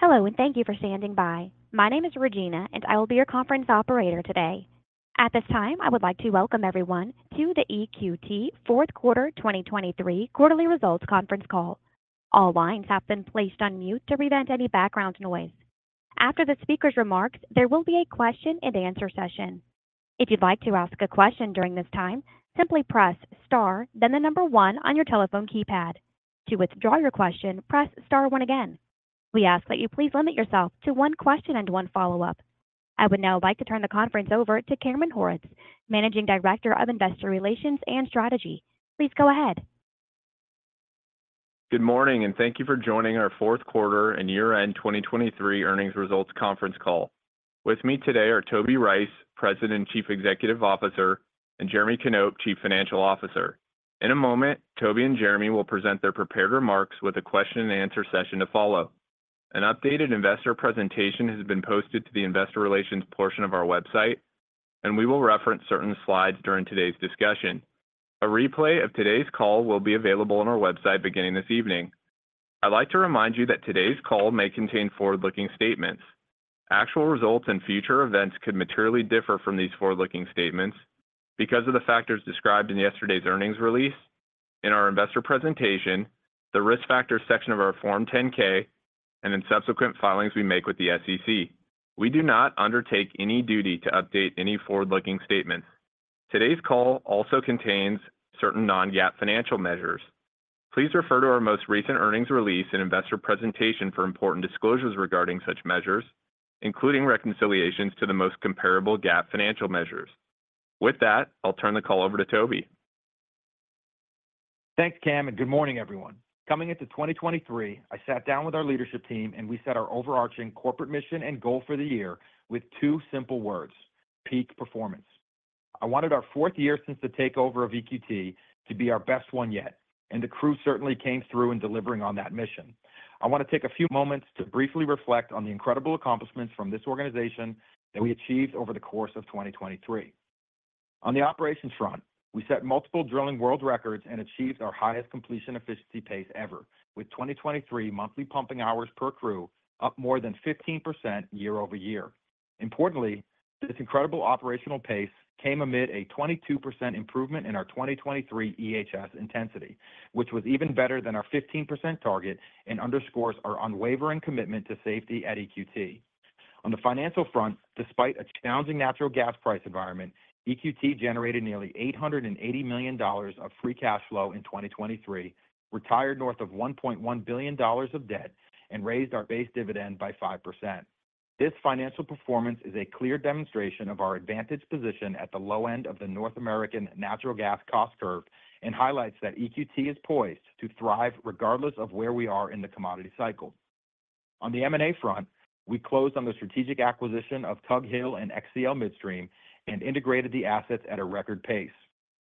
Hello and thank you for standing by. My name is Regina, and I will be your conference operator today. At this time, I would like to welcome everyone to the EQT fourth quarter 2023 quarterly results conference call. All lines have been placed on mute to prevent any background noise. After the speaker's remarks, there will be a question and answer session. If you'd like to ask a question during this time, simply press star, then the number 1 on your telephone keypad. To withdraw your question, press star 1 again. We ask that you please limit yourself to one question and one follow-up. I would now like to turn the conference over to Cameron Horwitz, Managing Director of Investor Relations and Strategy. Please go ahead. Good morning, and thank you for joining our fourth quarter and year-end 2023 earnings results conference call. With me today are Toby Rice, President and Chief Executive Officer, and Jeremy Knop, Chief Financial Officer. In a moment, Toby and Jeremy will present their prepared remarks with a question and answer session to follow. An updated investor presentation has been posted to the investor relations portion of our website, and we will reference certain slides during today's discussion. A replay of today's call will be available on our website beginning this evening. I'd like to remind you that today's call may contain forward-looking statements. Actual results and future events could materially differ from these forward-looking statements because of the factors described in yesterday's earnings release, in our investor presentation, the risk factors section of our Form 10-K, and in subsequent filings we make with the SEC. We do not undertake any duty to update any forward-looking statements. Today's call also contains certain non-GAAP financial measures. Please refer to our most recent earnings release and investor presentation for important disclosures regarding such measures, including reconciliations to the most comparable GAAP financial measures. With that, I'll turn the call over to Toby. Thanks, Cam, and good morning, everyone. Coming into 2023, I sat down with our leadership team, and we set our overarching corporate mission and goal for the year with two simple words: peak performance. I wanted our fourth year since the takeover of EQT to be our best one yet, and the crew certainly came through in delivering on that mission. I want to take a few moments to briefly reflect on the incredible accomplishments from this organization that we achieved over the course of 2023. On the operations front, we set multiple drilling world records and achieved our highest completion efficiency pace ever, with 2023 monthly pumping hours per crew up more than 15% year-over-year. Importantly, this incredible operational pace came amid a 22% improvement in our 2023 EHS intensity, which was even better than our 15% target and underscores our unwavering commitment to safety at EQT. On the financial front, despite a challenging natural gas price environment, EQT generated nearly $880 million of free cash flow in 2023, retired north of $1.1 billion of debt, and raised our base dividend by 5%. This financial performance is a clear demonstration of our advantaged position at the low end of the North American natural gas cost curve and highlights that EQT is poised to thrive regardless of where we are in the commodity cycle. On the M&A front, we closed on the strategic acquisition of Tug Hill and XcL Midstream and integrated the assets at a record pace.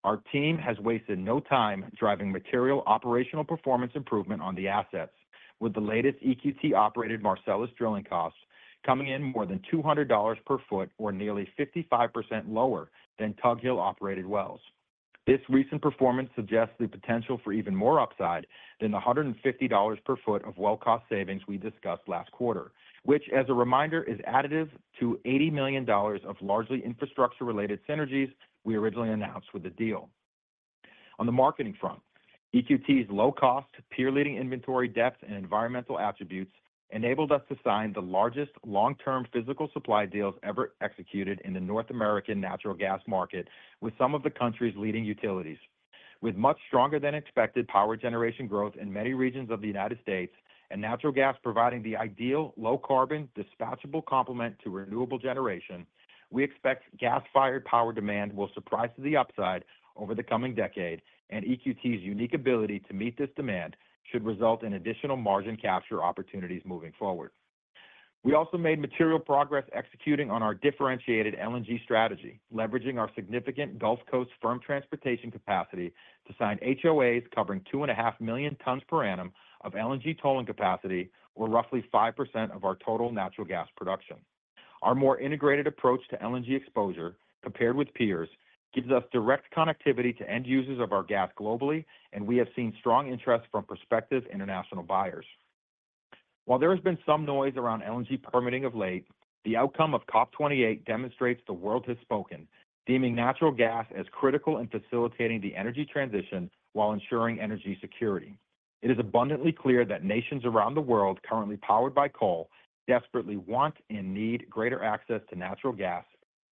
Our team has wasted no time driving material operational performance improvement on the assets, with the latest EQT-operated Marcellus drilling costs coming in more than $200 per foot or nearly 55% lower than Tug Hill-operated wells. This recent performance suggests the potential for even more upside than the $150 per foot of well-cost savings we discussed last quarter, which, as a reminder, is additive to $80 million of largely infrastructure-related synergies we originally announced with the deal. On the marketing front, EQT's low-cost, peer-leading inventory depth and environmental attributes enabled us to sign the largest long-term physical supply deals ever executed in the North American natural gas market with some of the country's leading utilities. With much stronger-than-expected power generation growth in many regions of the United States and natural gas providing the ideal low-carbon, dispatchable complement to renewable generation, we expect gas-fired power demand will surprise to the upside over the coming decade, and EQT's unique ability to meet this demand should result in additional margin capture opportunities moving forward. We also made material progress executing on our differentiated LNG strategy, leveraging our significant Gulf Coast firm transportation capacity to sign HOAs covering 2.5 million tons per annum of LNG tolling capacity, or roughly 5% of our total natural gas production. Our more integrated approach to LNG exposure, compared with peers, gives us direct connectivity to end users of our gas globally, and we have seen strong interest from prospective international buyers. While there has been some noise around LNG permitting of late, the outcome of COP28 demonstrates the world has spoken, deeming natural gas as critical in facilitating the energy transition while ensuring energy security. It is abundantly clear that nations around the world currently powered by coal desperately want and need greater access to natural gas,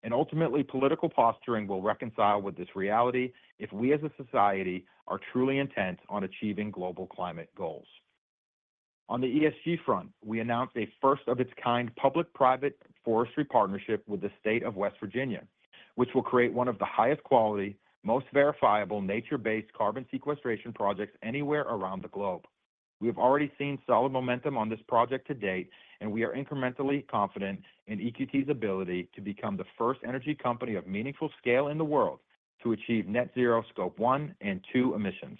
and ultimately political posturing will reconcile with this reality if we as a society are truly intent on achieving global climate goals. On the ESG front, we announced a first-of-its-kind public-private forestry partnership with the state of West Virginia, which will create one of the highest-quality, most verifiable nature-based carbon sequestration projects anywhere around the globe. We have already seen solid momentum on this project to date, and we are incrementally confident in EQT's ability to become the first energy company of meaningful scale in the world to achieve net-zero Scope 1 and Scope 2 emissions.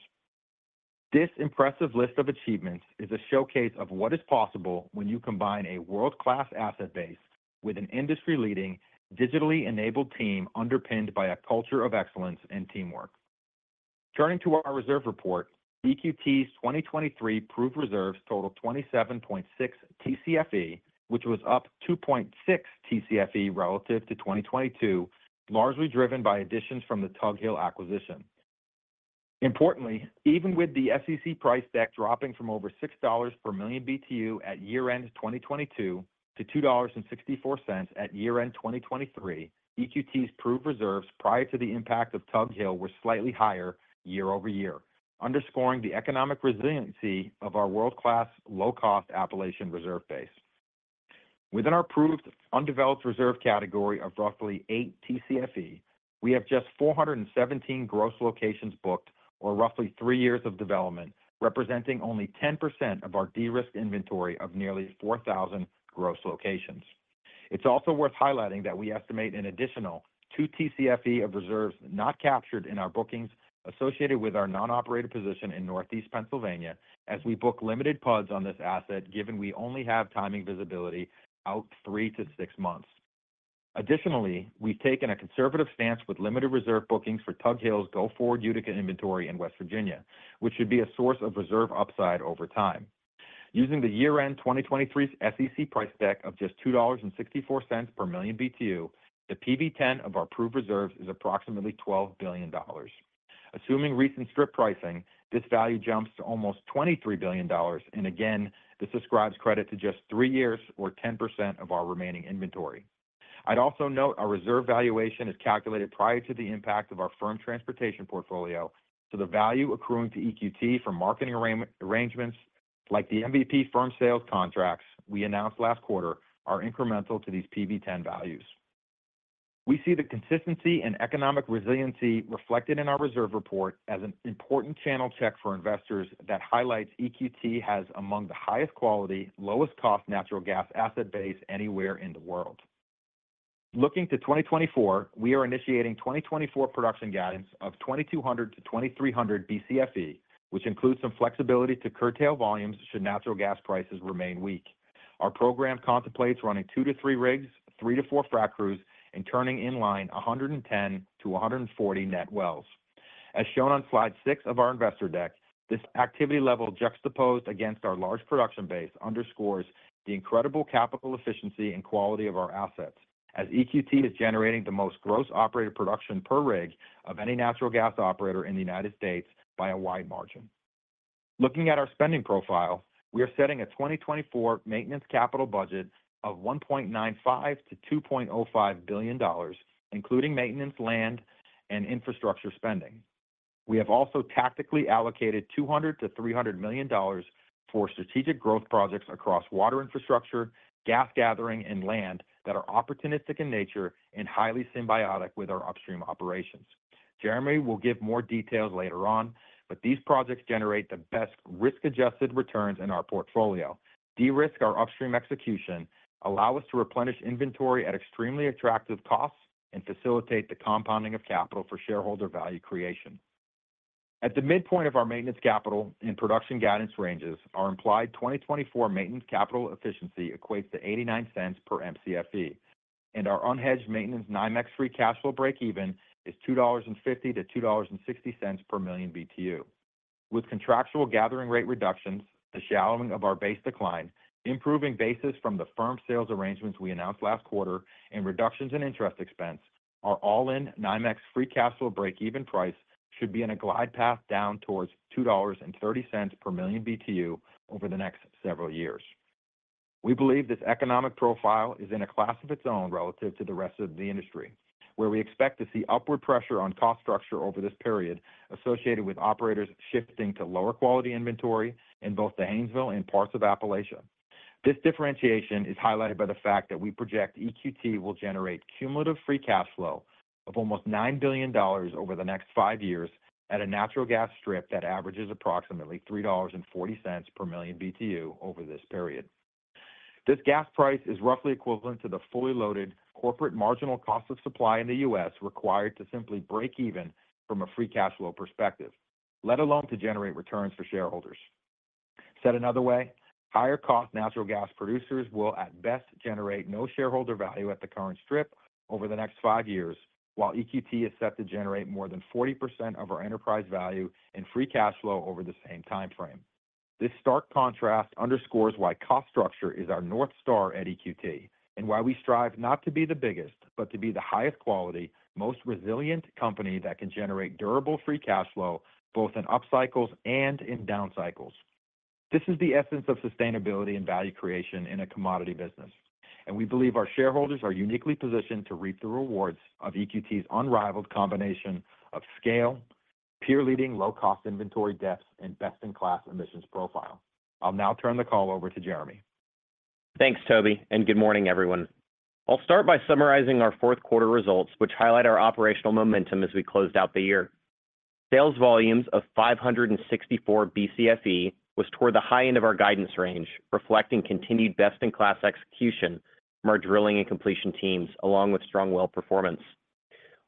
This impressive list of achievements is a showcase of what is possible when you combine a world-class asset base with an industry-leading, digitally-enabled team underpinned by a culture of excellence and teamwork. Turning to our reserve report, EQT's 2023 proved reserves totaled 27.6 TCFE, which was up 2.6 TCFE relative to 2022, largely driven by additions from the Tug Hill acquisition. Importantly, even with the SEC price deck dropping from over $6 per MMBTU at year-end 2022 to $2.64 at year-end 2023, EQT's proved reserves prior to the impact of Tug Hill were slightly higher year over year, underscoring the economic resiliency of our world-class, low-cost Appalachian reserve base. Within our proved undeveloped reserve category of roughly 8 TCFE, we have just 417 gross locations booked, or roughly three years of development, representing only 10% of our de-risked inventory of nearly 4,000 gross locations. It's also worth highlighting that we estimate an additional 2 TCFE of reserves not captured in our bookings associated with our non-operator position in Northeast Pennsylvania, as we book limited PUDs on this asset given we only have timing visibility out three to six months. Additionally, we've taken a conservative stance with limited reserve bookings for Tug Hill's go-forward Utica inventory in West Virginia, which should be a source of reserve upside over time. Using the year-end 2023 SEC price deck of just $2.64 per MMBTU, the PV-10 of our proved reserves is approximately $12 billion. Assuming recent strip pricing, this value jumps to almost $23 billion, and again, this ascribes credit to just three years, or 10%, of our remaining inventory. I'd also note our reserve valuation is calculated prior to the impact of our firm transportation portfolio, so the value accruing to EQT from marketing arrangements like the MVP firm sales contracts we announced last quarter are incremental to these PV-10 values. We see the consistency and economic resiliency reflected in our reserve report as an important channel check for investors that highlights EQT has among the highest-quality, lowest-cost natural gas asset base anywhere in the world. Looking to 2024, we are initiating 2024 production guidance of 2,200-2,300 BCFE, which includes some flexibility to curtail volumes should natural gas prices remain weak. Our program contemplates running two to three rigs, three to four frac crews, and turning in line 110-140 net wells. As shown on slide six of our investor deck, this activity level juxtaposed against our large production base underscores the incredible capital efficiency and quality of our assets, as EQT is generating the most gross operated production per rig of any natural gas operator in the United States by a wide margin. Looking at our spending profile, we are setting a 2024 maintenance capital budget of $1.95 billion-$2.05 billion, including maintenance land and infrastructure spending. We have also tactically allocated $200-$300 million for strategic growth projects across water infrastructure, gas gathering, and land that are opportunistic in nature and highly symbiotic with our upstream operations. Jeremy will give more details later on, but these projects generate the best risk-adjusted returns in our portfolio, de-risk our upstream execution, allow us to replenish inventory at extremely attractive costs, and facilitate the compounding of capital for shareholder value creation. At the midpoint of our maintenance capital and production guidance ranges, our implied 2024 maintenance capital efficiency equates to $0.89 per MCFE, and our unhedged maintenance NYMEX free cash flow break-even is $2.50-$2.60 per MMBTU. With contractual gathering rate reductions, the shallowing of our base decline, improving basis from the firm sales arrangements we announced last quarter, and reductions in interest expense, our all-in NYMEX free cash flow break-even price should be in a glide path down towards $2.30 per MMBTU over the next several years. We believe this economic profile is in a class of its own relative to the rest of the industry, where we expect to see upward pressure on cost structure over this period associated with operators shifting to lower-quality inventory in both the Haynesville and parts of Appalachia. This differentiation is highlighted by the fact that we project EQT will generate cumulative free cash flow of almost $9 billion over the next five years at a natural gas strip that averages approximately $3.40 per MMBTU over this period. This gas price is roughly equivalent to the fully loaded corporate marginal cost of supply in the U.S. required to simply break-even from a free cash flow perspective, let alone to generate returns for shareholders. Said another way, higher-cost natural gas producers will, at best, generate no shareholder value at the current strip over the next five years, while EQT is set to generate more than 40% of our enterprise value in free cash flow over the same timeframe. This stark contrast underscores why cost structure is our North Star at EQT and why we strive not to be the biggest but to be the highest-quality, most resilient company that can generate durable free cash flow both in upcycles and in downcycles. This is the essence of sustainability and value creation in a commodity business, and we believe our shareholders are uniquely positioned to reap the rewards of EQT's unrivaled combination of scale, peer-leading low-cost inventory depth, and best-in-class emissions profile. I'll now turn the call over to Jeremy. Thanks, Toby, and good morning, everyone. I'll start by summarizing our fourth-quarter results, which highlight our operational momentum as we closed out the year. Sales volumes of 564 BCFE were toward the high end of our guidance range, reflecting continued best-in-class execution from our drilling and completion teams along with strong well performance.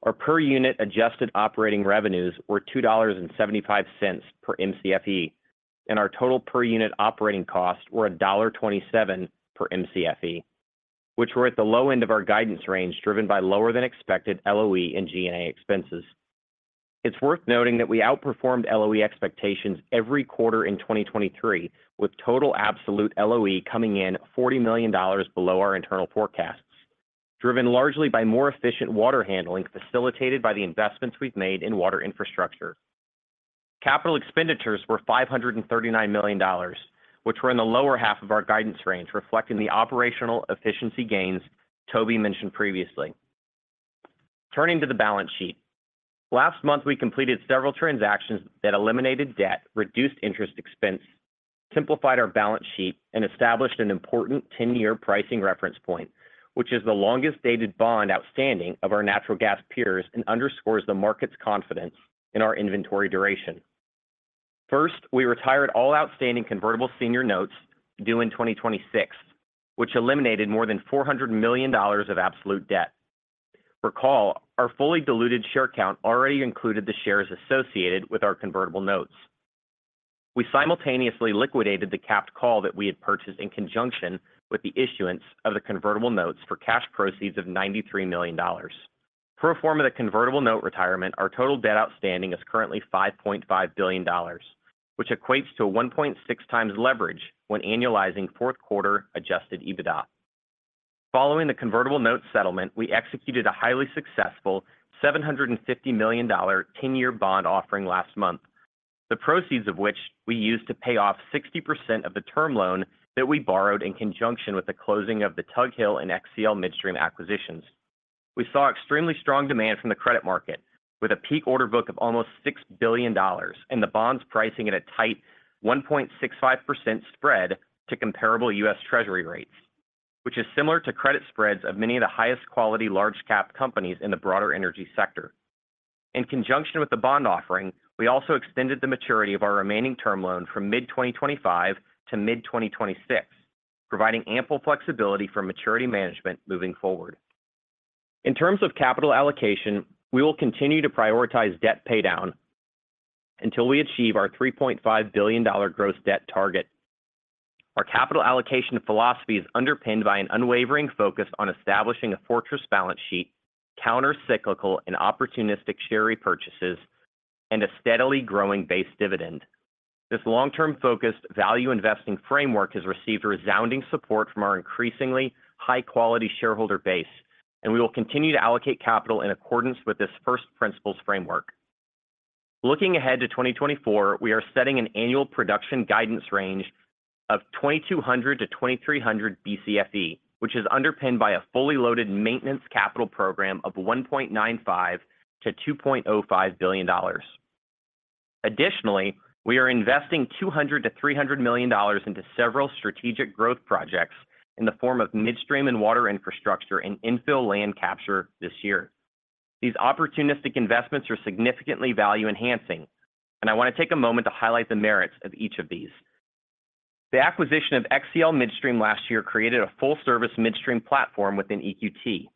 Our per-unit adjusted operating revenues were $2.75 per MCFE, and our total per-unit operating costs were $1.27 per MCFE, which were at the low end of our guidance range driven by lower-than-expected LOE and G&A expenses. It's worth noting that we outperformed LOE expectations every quarter in 2023, with total absolute LOE coming in $40 million below our internal forecasts, driven largely by more efficient water handling facilitated by the investments we've made in water infrastructure. Capital expenditures were $539 million, which were in the lower half of our guidance range, reflecting the operational efficiency gains Toby mentioned previously. Turning to the balance sheet, last month we completed several transactions that eliminated debt, reduced interest expense, simplified our balance sheet, and established an important 10-year pricing reference point, which is the longest-dated bond outstanding of our natural gas peers and underscores the market's confidence in our inventory duration. First, we retired all outstanding convertible senior notes due in 2026, which eliminated more than $400 million of absolute debt. Recall, our fully diluted share count already included the shares associated with our convertible notes. We simultaneously liquidated the capped call that we had purchased in conjunction with the issuance of the convertible notes for cash proceeds of $93 million. Pro forma the convertible note retirement, our total debt outstanding is currently $5.5 billion, which equates to a 1.6x leverage when annualizing fourth-quarter adjusted EBITDA. Following the convertible notes settlement, we executed a highly successful $750 million 10-year bond offering last month, the proceeds of which we used to pay off 60% of the term loan that we borrowed in conjunction with the closing of the Tug Hill and XcL Midstream acquisitions. We saw extremely strong demand from the credit market, with a peak order book of almost $6 billion and the bonds pricing at a tight 1.65% spread to comparable U.S. Treasury rates, which is similar to credit spreads of many of the highest-quality large-cap companies in the broader energy sector. In conjunction with the bond offering, we also extended the maturity of our remaining term loan from mid-2025 to mid-2026, providing ample flexibility for maturity management moving forward. In terms of capital allocation, we will continue to prioritize debt paydown until we achieve our $3.5 billion gross debt target. Our capital allocation philosophy is underpinned by an unwavering focus on establishing a fortress balance sheet, counter-cyclical and opportunistic share repurchases, and a steadily growing base dividend. This long-term focused value investing framework has received resounding support from our increasingly high-quality shareholder base, and we will continue to allocate capital in accordance with this first principles framework. Looking ahead to 2024, we are setting an annual production guidance range of 2,200-2,300 BCFE, which is underpinned by a fully loaded maintenance capital program of $1.95 billion-$2.05 billion. Additionally, we are investing $200 million-$300 million into several strategic growth projects in the form of midstream and water infrastructure and infill land capture this year. These opportunistic investments are significantly value-enhancing, and I want to take a moment to highlight the merits of each of these. The acquisition of XcL Midstream last year created a full-service midstream platform within EQT,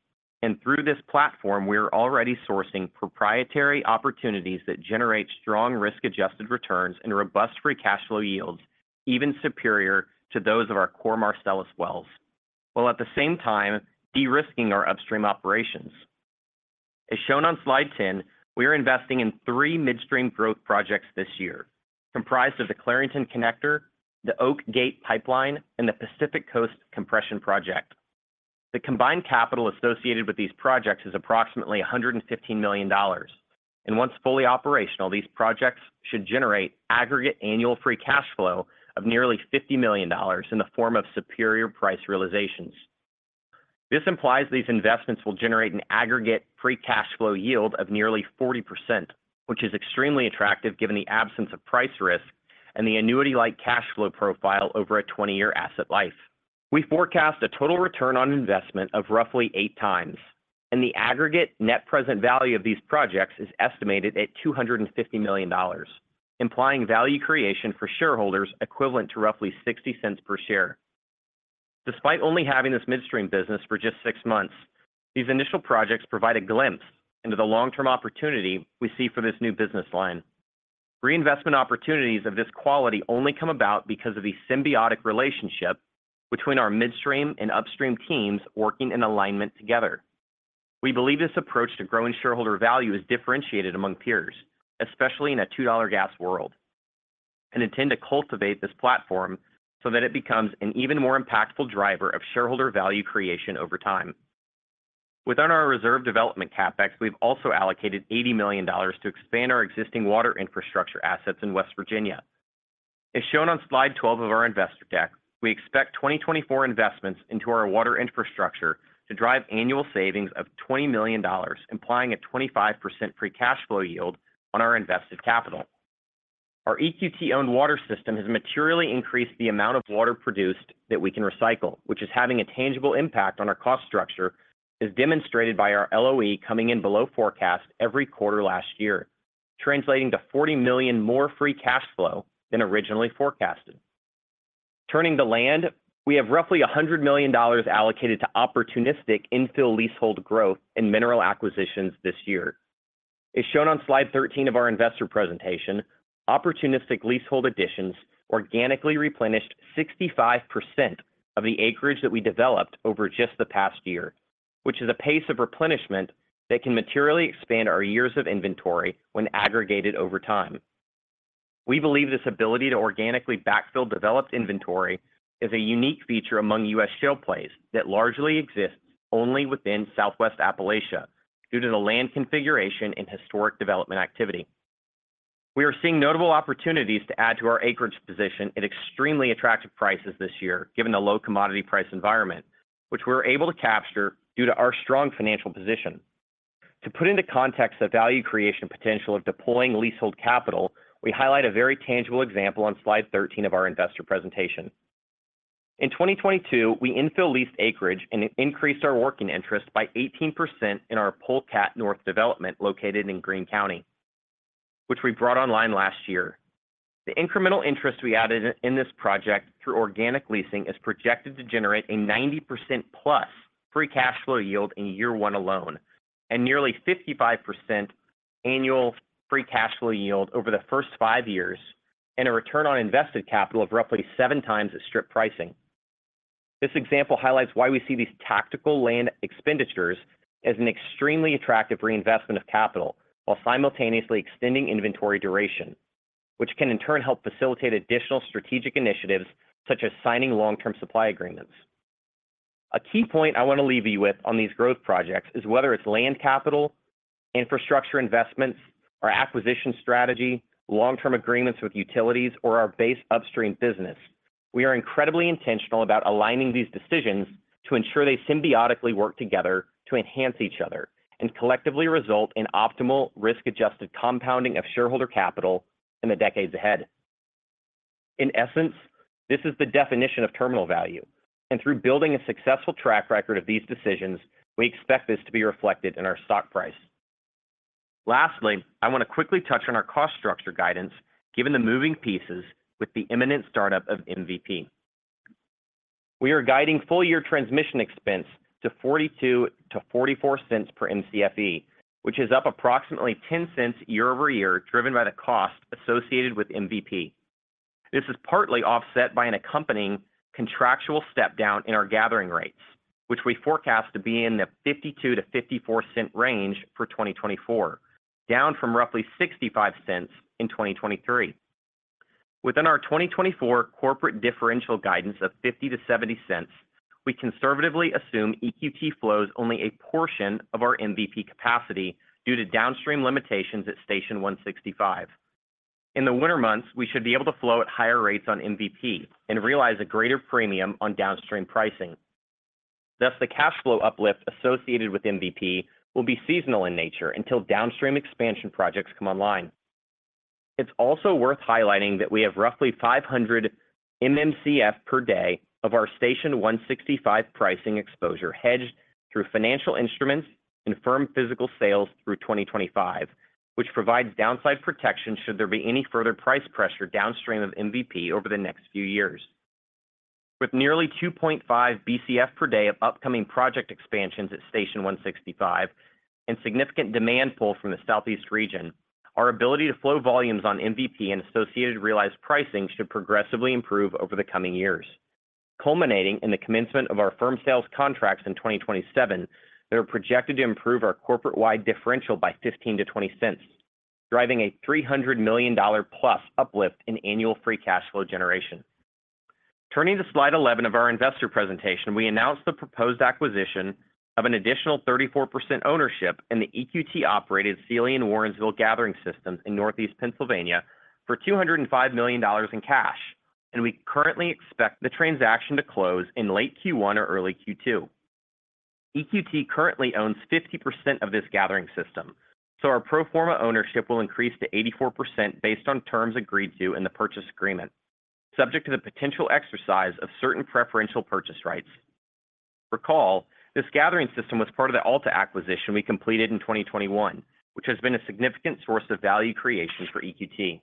and through this platform, we are already sourcing proprietary opportunities that generate strong risk-adjusted returns and robust free cash flow yields, even superior to those of our core Marcellus wells, while at the same time de-risking our upstream operations. As shown on slide 10, we are investing in three midstream growth projects this year, comprised of the Clarington Connector, the Oak Grove Pipeline, and the Pacific Coast Compression Project. The combined capital associated with these projects is approximately $115 million, and once fully operational, these projects should generate aggregate annual free cash flow of nearly $50 million in the form of superior price realizations. This implies these investments will generate an aggregate free cash flow yield of nearly 40%, which is extremely attractive given the absence of price risk and the annuity-like cash flow profile over a 20-year asset life. We forecast a total return on investment of roughly 8x, and the aggregate net present value of these projects is estimated at $250 million, implying value creation for shareholders equivalent to roughly $0.60 per share. Despite only having this midstream business for just six months, these initial projects provide a glimpse into the long-term opportunity we see for this new business line. Reinvestment opportunities of this quality only come about because of the symbiotic relationship between our midstream and upstream teams working in alignment together. We believe this approach to growing shareholder value is differentiated among peers, especially in a $2 gas world, and intend to cultivate this platform so that it becomes an even more impactful driver of shareholder value creation over time. Within our reserve development capex, we've also allocated $80 million to expand our existing water infrastructure assets in West Virginia. As shown on slide 12 of our investor deck, we expect 2024 investments into our water infrastructure to drive annual savings of $20 million, implying a 25% free cash flow yield on our invested capital. Our EQT-owned water system has materially increased the amount of water produced that we can recycle, which is having a tangible impact on our cost structure, as demonstrated by our LOE coming in below forecast every quarter last year, translating to $40 million more free cash flow than originally forecasted. Turning to land, we have roughly $100 million allocated to opportunistic infill leasehold growth and mineral acquisitions this year. As shown on slide 13 of our investor presentation, opportunistic leasehold additions organically replenished 65% of the acreage that we developed over just the past year, which is a pace of replenishment that can materially expand our years of inventory when aggregated over time. We believe this ability to organically backfill developed inventory is a unique feature among U.S. shale plays that largely exists only within Southwest Appalachia due to the land configuration and historic development activity. We are seeing notable opportunities to add to our acreage position at extremely attractive prices this year given the low commodity price environment, which we were able to capture due to our strong financial position. To put into context the value creation potential of deploying leasehold capital, we highlight a very tangible example on slide 13 of our investor presentation. In 2022, we infill leased acreage and increased our working interest by 18% in our Polecat North development located in Greene County, which we brought online last year. The incremental interest we added in this project through organic leasing is projected to generate a 90%+ free cash flow yield in year one alone, and nearly 55% annual free cash flow yield over the first five years, and a return on invested capital of roughly 7x its strip pricing. This example highlights why we see these tactical land expenditures as an extremely attractive reinvestment of capital while simultaneously extending inventory duration, which can in turn help facilitate additional strategic initiatives such as signing long-term supply agreements. A key point I want to leave you with on these growth projects is whether it's land capital, infrastructure investments, our acquisition strategy, long-term agreements with utilities, or our base upstream business, we are incredibly intentional about aligning these decisions to ensure they symbiotically work together to enhance each other and collectively result in optimal risk-adjusted compounding of shareholder capital in the decades ahead. In essence, this is the definition of terminal value, and through building a successful track record of these decisions, we expect this to be reflected in our stock price. Lastly, I want to quickly touch on our cost structure guidance given the moving pieces with the imminent startup of MVP. We are guiding full-year transmission expense to $0.42-$0.44 per MCFE, which is up approximately $0.10 year over year driven by the cost associated with MVP. This is partly offset by an accompanying contractual step-down in our gathering rates, which we forecast to be in the $0.52-$0.54 range for 2024, down from roughly $0.65 in 2023. Within our 2024 corporate differential guidance of $0.50-$0.70, we conservatively assume EQT flows only a portion of our MVP capacity due to downstream limitations at Station 165. In the winter months, we should be able to flow at higher rates on MVP and realize a greater premium on downstream pricing. Thus, the cash flow uplift associated with MVP will be seasonal in nature until downstream expansion projects come online. It's also worth highlighting that we have roughly 500 MMCF per day of our Station 165 pricing exposure hedged through financial instruments and firm physical sales through 2025, which provides downside protection should there be any further price pressure downstream of MVP over the next few years. With nearly 2.5 BCF per day of upcoming project expansions at Station 165 and significant demand pull from the Southeast region, our ability to flow volumes on MVP and associated realized pricing should progressively improve over the coming years. Culminating in the commencement of our firm sales contracts in 2027, they are projected to improve our corporate-wide differential by $0.15-$0.20, driving a $300 million+ uplift in annual free cash flow generation. Turning to slide 11 of our investor presentation, we announced the proposed acquisition of an additional 34% ownership in the EQT-operated Clearfield-Warrensville Gathering Systems in Northeast Pennsylvania for $205 million in cash, and we currently expect the transaction to close in late Q1 or early Q2. EQT currently owns 50% of this gathering system, so our pro forma ownership will increase to 84% based on terms agreed to in the purchase agreement, subject to the potential exercise of certain preferential purchase rights. Recall, this gathering system was part of the Alta acquisition we completed in 2021, which has been a significant source of value creation for EQT.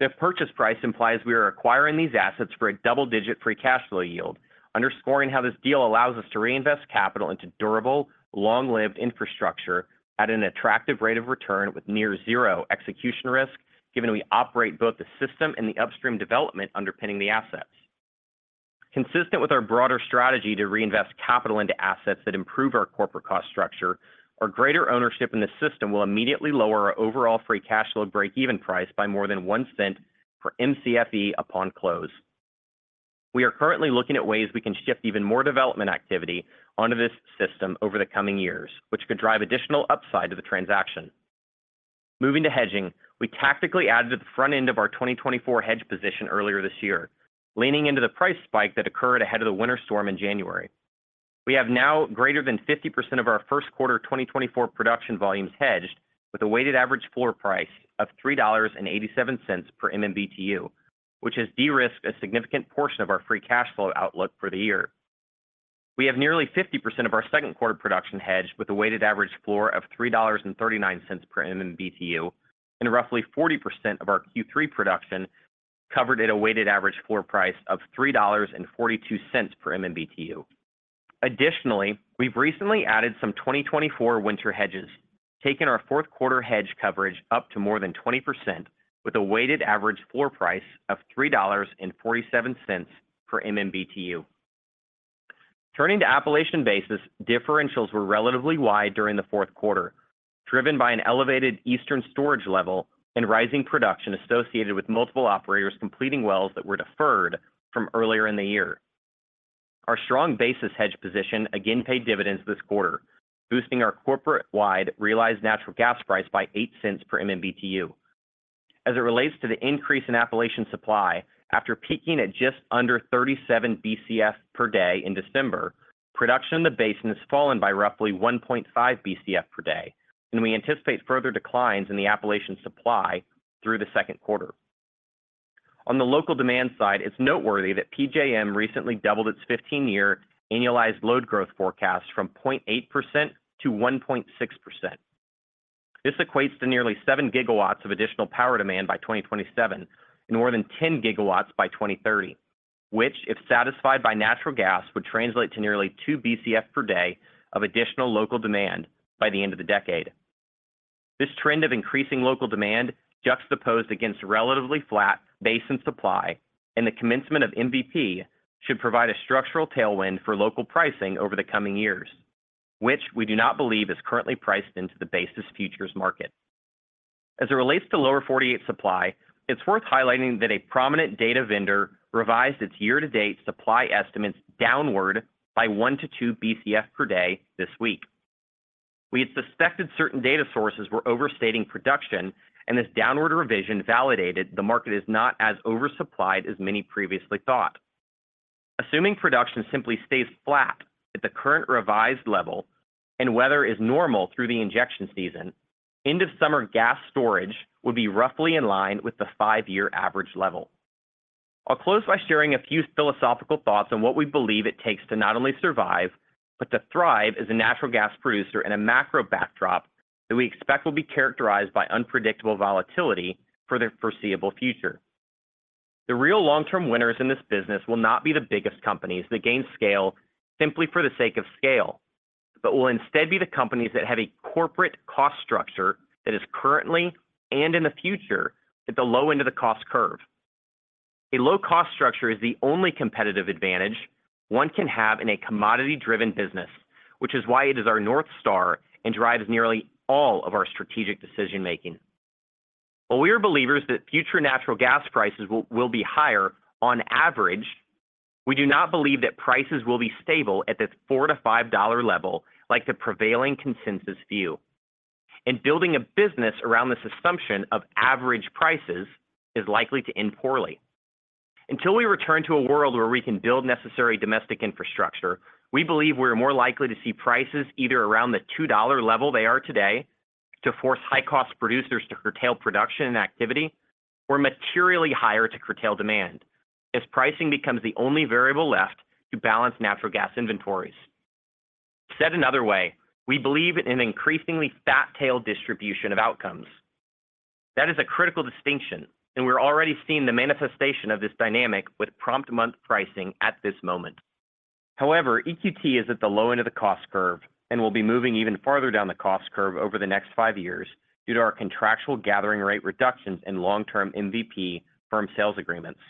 The purchase price implies we are acquiring these assets for a double-digit free cash flow yield, underscoring how this deal allows us to reinvest capital into durable, long-lived infrastructure at an attractive rate of return with near-zero execution risk given we operate both the system and the upstream development underpinning the assets. Consistent with our broader strategy to reinvest capital into assets that improve our corporate cost structure, our greater ownership in the system will immediately lower our overall free cash flow breakeven price by more than $0.01 per MCFE upon close. We are currently looking at ways we can shift even more development activity onto this system over the coming years, which could drive additional upside to the transaction. Moving to hedging, we tactically added to the front end of our 2024 hedge position earlier this year, leaning into the price spike that occurred ahead of the winter storm in January. We have now greater than 50% of our first quarter 2024 production volumes hedged with a weighted average floor price of $3.87 per MMBTU, which has de-risked a significant portion of our free cash flow outlook for the year. We have nearly 50% of our second quarter production hedged with a weighted average floor of $3.39 per MMBTU, and roughly 40% of our Q3 production covered at a weighted average floor price of $3.42 per MMBTU. Additionally, we've recently added some 2024 winter hedges, taking our fourth quarter hedge coverage up to more than 20% with a weighted average floor price of $3.47 per MMBTU. Turning to Appalachian Basin, differentials were relatively wide during the fourth quarter, driven by an elevated eastern storage level and rising production associated with multiple operators completing wells that were deferred from earlier in the year. Our strong basis hedge position again paid dividends this quarter, boosting our corporate-wide realized natural gas price by $0.08 per MMBTU. As it relates to the increase in Appalachian supply, after peaking at just under 37 BCF per day in December, production in the basin has fallen by roughly 1.5 BCF per day, and we anticipate further declines in the Appalachian supply through the second quarter. On the local demand side, it's noteworthy that PJM recently doubled its 15-year annualized load growth forecast from 0.8%-1.6%. This equates to nearly 7 GW of additional power demand by 2027 and more than 10 GW by 2030, which, if satisfied by natural gas, would translate to nearly 2 BCF per day of additional local demand by the end of the decade. This trend of increasing local demand juxtaposed against relatively flat basin supply and the commencement of MVP should provide a structural tailwind for local pricing over the coming years, which we do not believe is currently priced into the basis futures market. As it relates to lower 48 supply, it's worth highlighting that a prominent data vendor revised its year-to-date supply estimates downward by one to two BCF per day this week. We had suspected certain data sources were overstating production, and this downward revision validated the market is not as oversupplied as many previously thought. Assuming production simply stays flat at the current revised level and weather is normal through the injection season, end-of-summer gas storage would be roughly in line with the five-year average level. I'll close by sharing a few philosophical thoughts on what we believe it takes to not only survive but to thrive as a natural gas producer in a macro backdrop that we expect will be characterized by unpredictable volatility for the foreseeable future. The real long-term winners in this business will not be the biggest companies that gain scale simply for the sake of scale, but will instead be the companies that have a corporate cost structure that is currently and in the future at the low end of the cost curve. A low cost structure is the only competitive advantage one can have in a commodity-driven business, which is why it is our North Star and drives nearly all of our strategic decision-making. While we are believers that future natural gas prices will be higher on average, we do not believe that prices will be stable at the $4-$5 level like the prevailing consensus view. Building a business around this assumption of average prices is likely to end poorly. Until we return to a world where we can build necessary domestic infrastructure, we believe we're more likely to see prices either around the $2 level they are today to force high-cost producers to curtail production and activity, or materially higher to curtail demand as pricing becomes the only variable left to balance natural gas inventories. Said another way, we believe in an increasingly fat-tailed distribution of outcomes. That is a critical distinction, and we're already seeing the manifestation of this dynamic with prompt month pricing at this moment. However, EQT is at the low end of the cost curve and will be moving even farther down the cost curve over the next five years due to our contractual gathering rate reductions and long-term MVP firm sales agreements.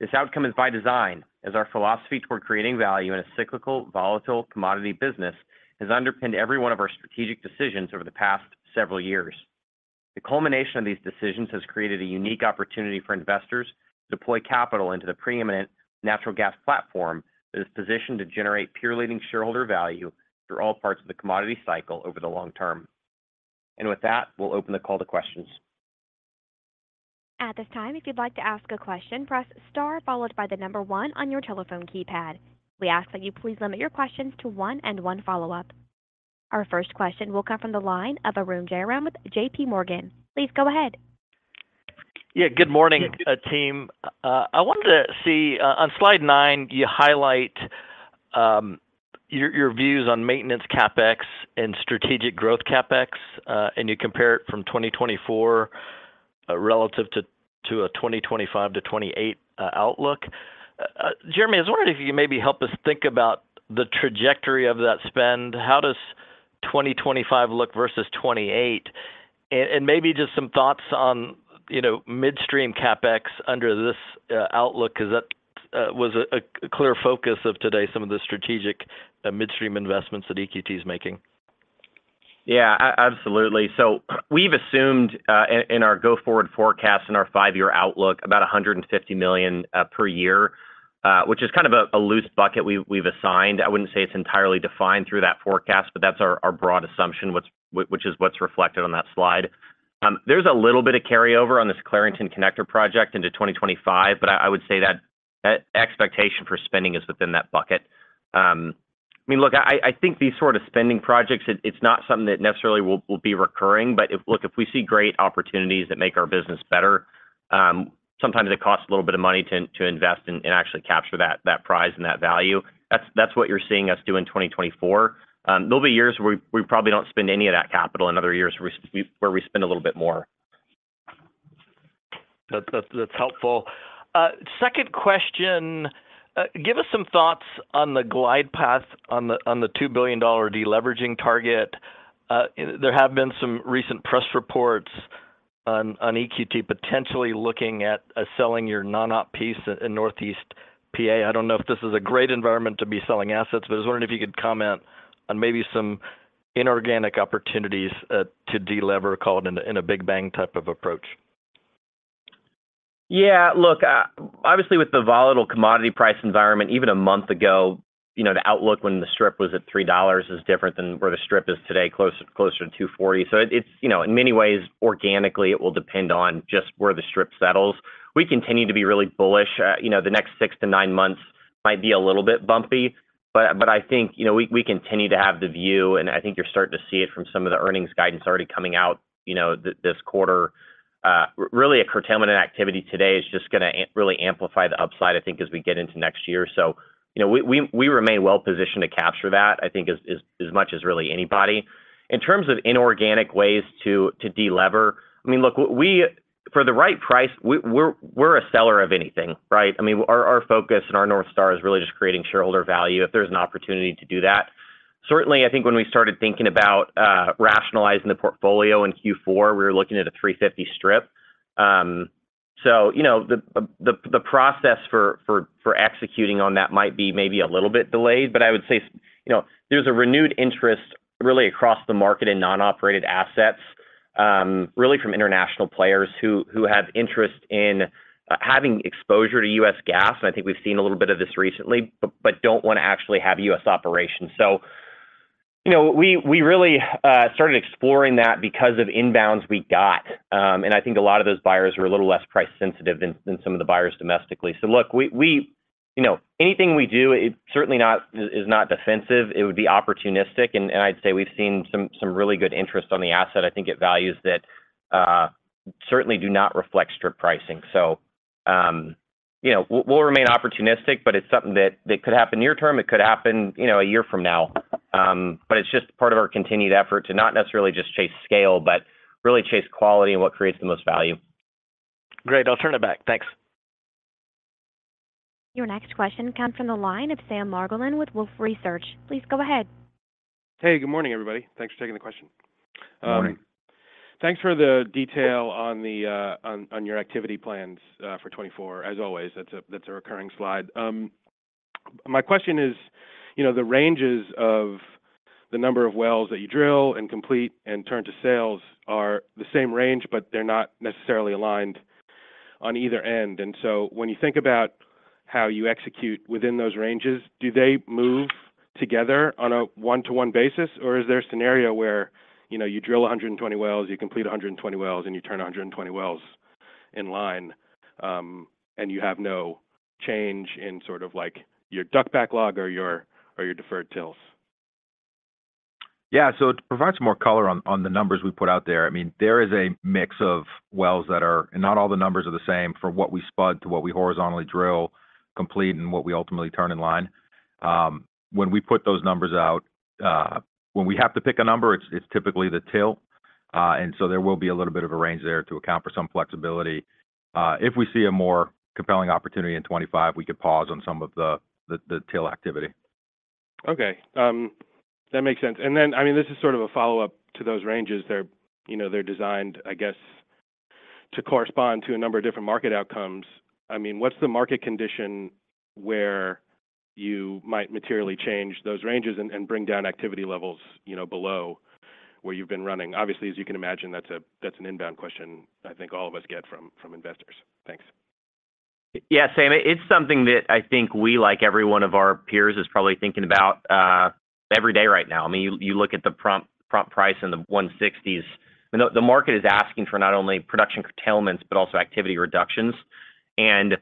This outcome is by design, as our philosophy toward creating value in a cyclical, volatile commodity business has underpinned every one of our strategic decisions over the past several years. The culmination of these decisions has created a unique opportunity for investors to deploy capital into the preeminent natural gas platform that is positioned to generate peer-leading shareholder value through all parts of the commodity cycle over the long term. And with that, we'll open the call to questions. At this time, if you'd like to ask a question, press star followed by the number 1 on your telephone keypad. We ask that you please limit your questions to one and one follow-up. Our first question will come from the line of Arun Jayaram with JPMorgan. Please go ahead. Yeah, good morning, team. I wanted to see on slide nine, you highlight your views on maintenance CapEx and strategic growth CapEx, and you compare it from 2024 relative to a 2025-2028 outlook. Jeremy, I was wondering if you could maybe help us think about the trajectory of that spend. How does 2025 look versus 2028? And maybe just some thoughts on midstream CapEx under this outlook, because that was a clear focus of today, some of the strategic midstream investments that EQT is making. Yeah, absolutely. So we've assumed in our go-forward forecast and our five-year outlook about $150 million per year, which is kind of a loose bucket we've assigned. I wouldn't say it's entirely defined through that forecast, but that's our broad assumption, which is what's reflected on that slide. There's a little bit of carryover on this Clarington Connector project into 2025, but I would say that expectation for spending is within that bucket. I mean, look, I think these sort of spending projects, it's not something that necessarily will be recurring. But look, if we see great opportunities that make our business better, sometimes it costs a little bit of money to invest and actually capture that prize and that value. That's what you're seeing us do in 2024. There'll be years where we probably don't spend any of that capital and other years where we spend a little bit more. That's helpful. Second question, give us some thoughts on the glide path on the $2 billion deleveraging target. There have been some recent press reports on EQT potentially looking at selling your non-op piece in Northeast PA. I don't know if this is a great environment to be selling assets, but I was wondering if you could comment on maybe some inorganic opportunities to delever called in a Big Bang type of approach. Yeah, look, obviously with the volatile commodity price environment, even a month ago, the outlook when the strip was at $3 is different than where the strip is today, closer to $2.40. So in many ways, organically, it will depend on just where the strip settles. We continue to be really bullish. The next six to nine months might be a little bit bumpy, but I think we continue to have the view, and I think you're starting to see it from some of the earnings guidance already coming out this quarter. Really, a curtailment in activity today is just going to really amplify the upside, I think, as we get into next year. So we remain well-positioned to capture that, I think, as much as really anybody. In terms of inorganic ways to delever, I mean, look, for the right price, we're a seller of anything, right? I mean, our focus and our North Star is really just creating shareholder value if there's an opportunity to do that. Certainly, I think when we started thinking about rationalizing the portfolio in Q4, we were looking at a $3.50 strip. So the process for executing on that might be maybe a little bit delayed, but I would say there's a renewed interest really across the market in non-operated assets, really from international players who have interest in having exposure to U.S. gas, and I think we've seen a little bit of this recently, but don't want to actually have U.S. operations. So we really started exploring that because of inbounds we got, and I think a lot of those buyers were a little less price-sensitive than some of the buyers domestically. So look, anything we do, it certainly is not defensive. It would be opportunistic, and I'd say we've seen some really good interest on the asset. I think it values that certainly do not reflect strip pricing. So we'll remain opportunistic, but it's something that could happen near term. It could happen a year from now, but it's just part of our continued effort to not necessarily just chase scale, but really chase quality and what creates the most value. Great. I'll turn it back. Thanks. Your next question comes from the line of Sam Margolin with Wolfe Research. Please go ahead. Hey, good morning, everybody. Thanks for taking the question. Good morning. Thanks for the detail on your activity plans for 2024. As always, that's a recurring slide. My question is, the ranges of the number of wells that you drill and complete and turn to sales are the same range, but they're not necessarily aligned on either end. And so when you think about how you execute within those ranges, do they move together on a one-to-one basis, or is there a scenario where you drill 120 wells, you complete 120 wells, and you turn 120 wells in line, and you have no change in sort of your DUC backlog or your deferred TILs? Yeah, so to provide some more color on the numbers we put out there, I mean, there is a mix of wells that are and not all the numbers are the same for what we spud to what we horizontally drill, complete, and what we ultimately turn in line. When we put those numbers out, when we have to pick a number, it's typically the TIL. And so there will be a little bit of a range there to account for some flexibility. If we see a more compelling opportunity in 2025, we could pause on some of the TIL activity. Okay. That makes sense. And then, I mean, this is sort of a follow-up to those ranges. They're designed, I guess, to correspond to a number of different market outcomes. I mean, what's the market condition where you might materially change those ranges and bring down activity levels below where you've been running? Obviously, as you can imagine, that's an inbound question I think all of us get from investors. Thanks. Yeah, Sam, it's something that I think we, like every one of our peers, is probably thinking about every day right now. I mean, you look at the prompt price in the $1.60s. I mean, the market is asking for not only production curtailments but also activity reductions. And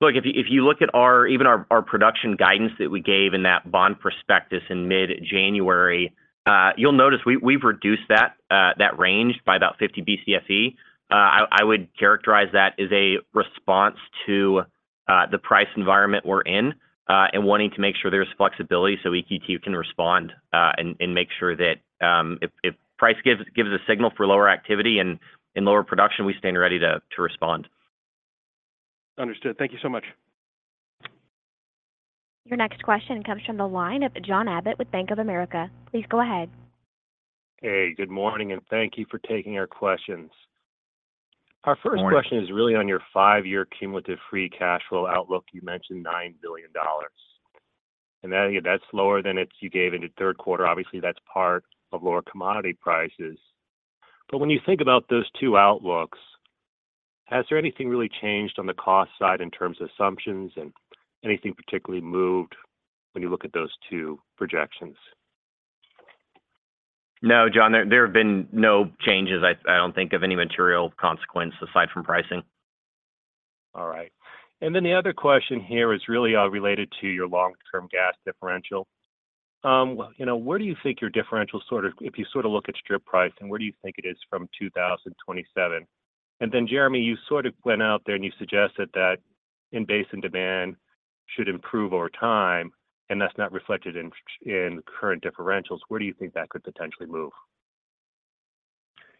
look, if you look at even our production guidance that we gave in that bond prospectus in mid-January, you'll notice we've reduced that range by about 50 BCFE. I would characterize that as a response to the price environment we're in and wanting to make sure there's flexibility so EQT can respond and make sure that if price gives a signal for lower activity and lower production, we stand ready to respond. Understood. Thank you so much. Your next question comes from the line of John Abbott with Bank of America. Please go ahead. Hey, good morning, and thank you for taking our questions. Our first question is really on your five-year cumulative free cash flow outlook. You mentioned $9 billion. That's lower than you gave in the third quarter. Obviously, that's part of lower commodity prices. When you think about those two outlooks, has there anything really changed on the cost side in terms of assumptions, and anything particularly moved when you look at those two projections? No, John, there have been no changes. I don't think of any material consequence aside from pricing. All right. And then the other question here is really related to your long-term gas differential. Where do you think your differential sort of if you sort of look at strip pricing, where do you think it is from 2027? And then, Jeremy, you sort of went out there and you suggested that in-basin supply and demand should improve over time, and that's not reflected in current differentials. Where do you think that could potentially move?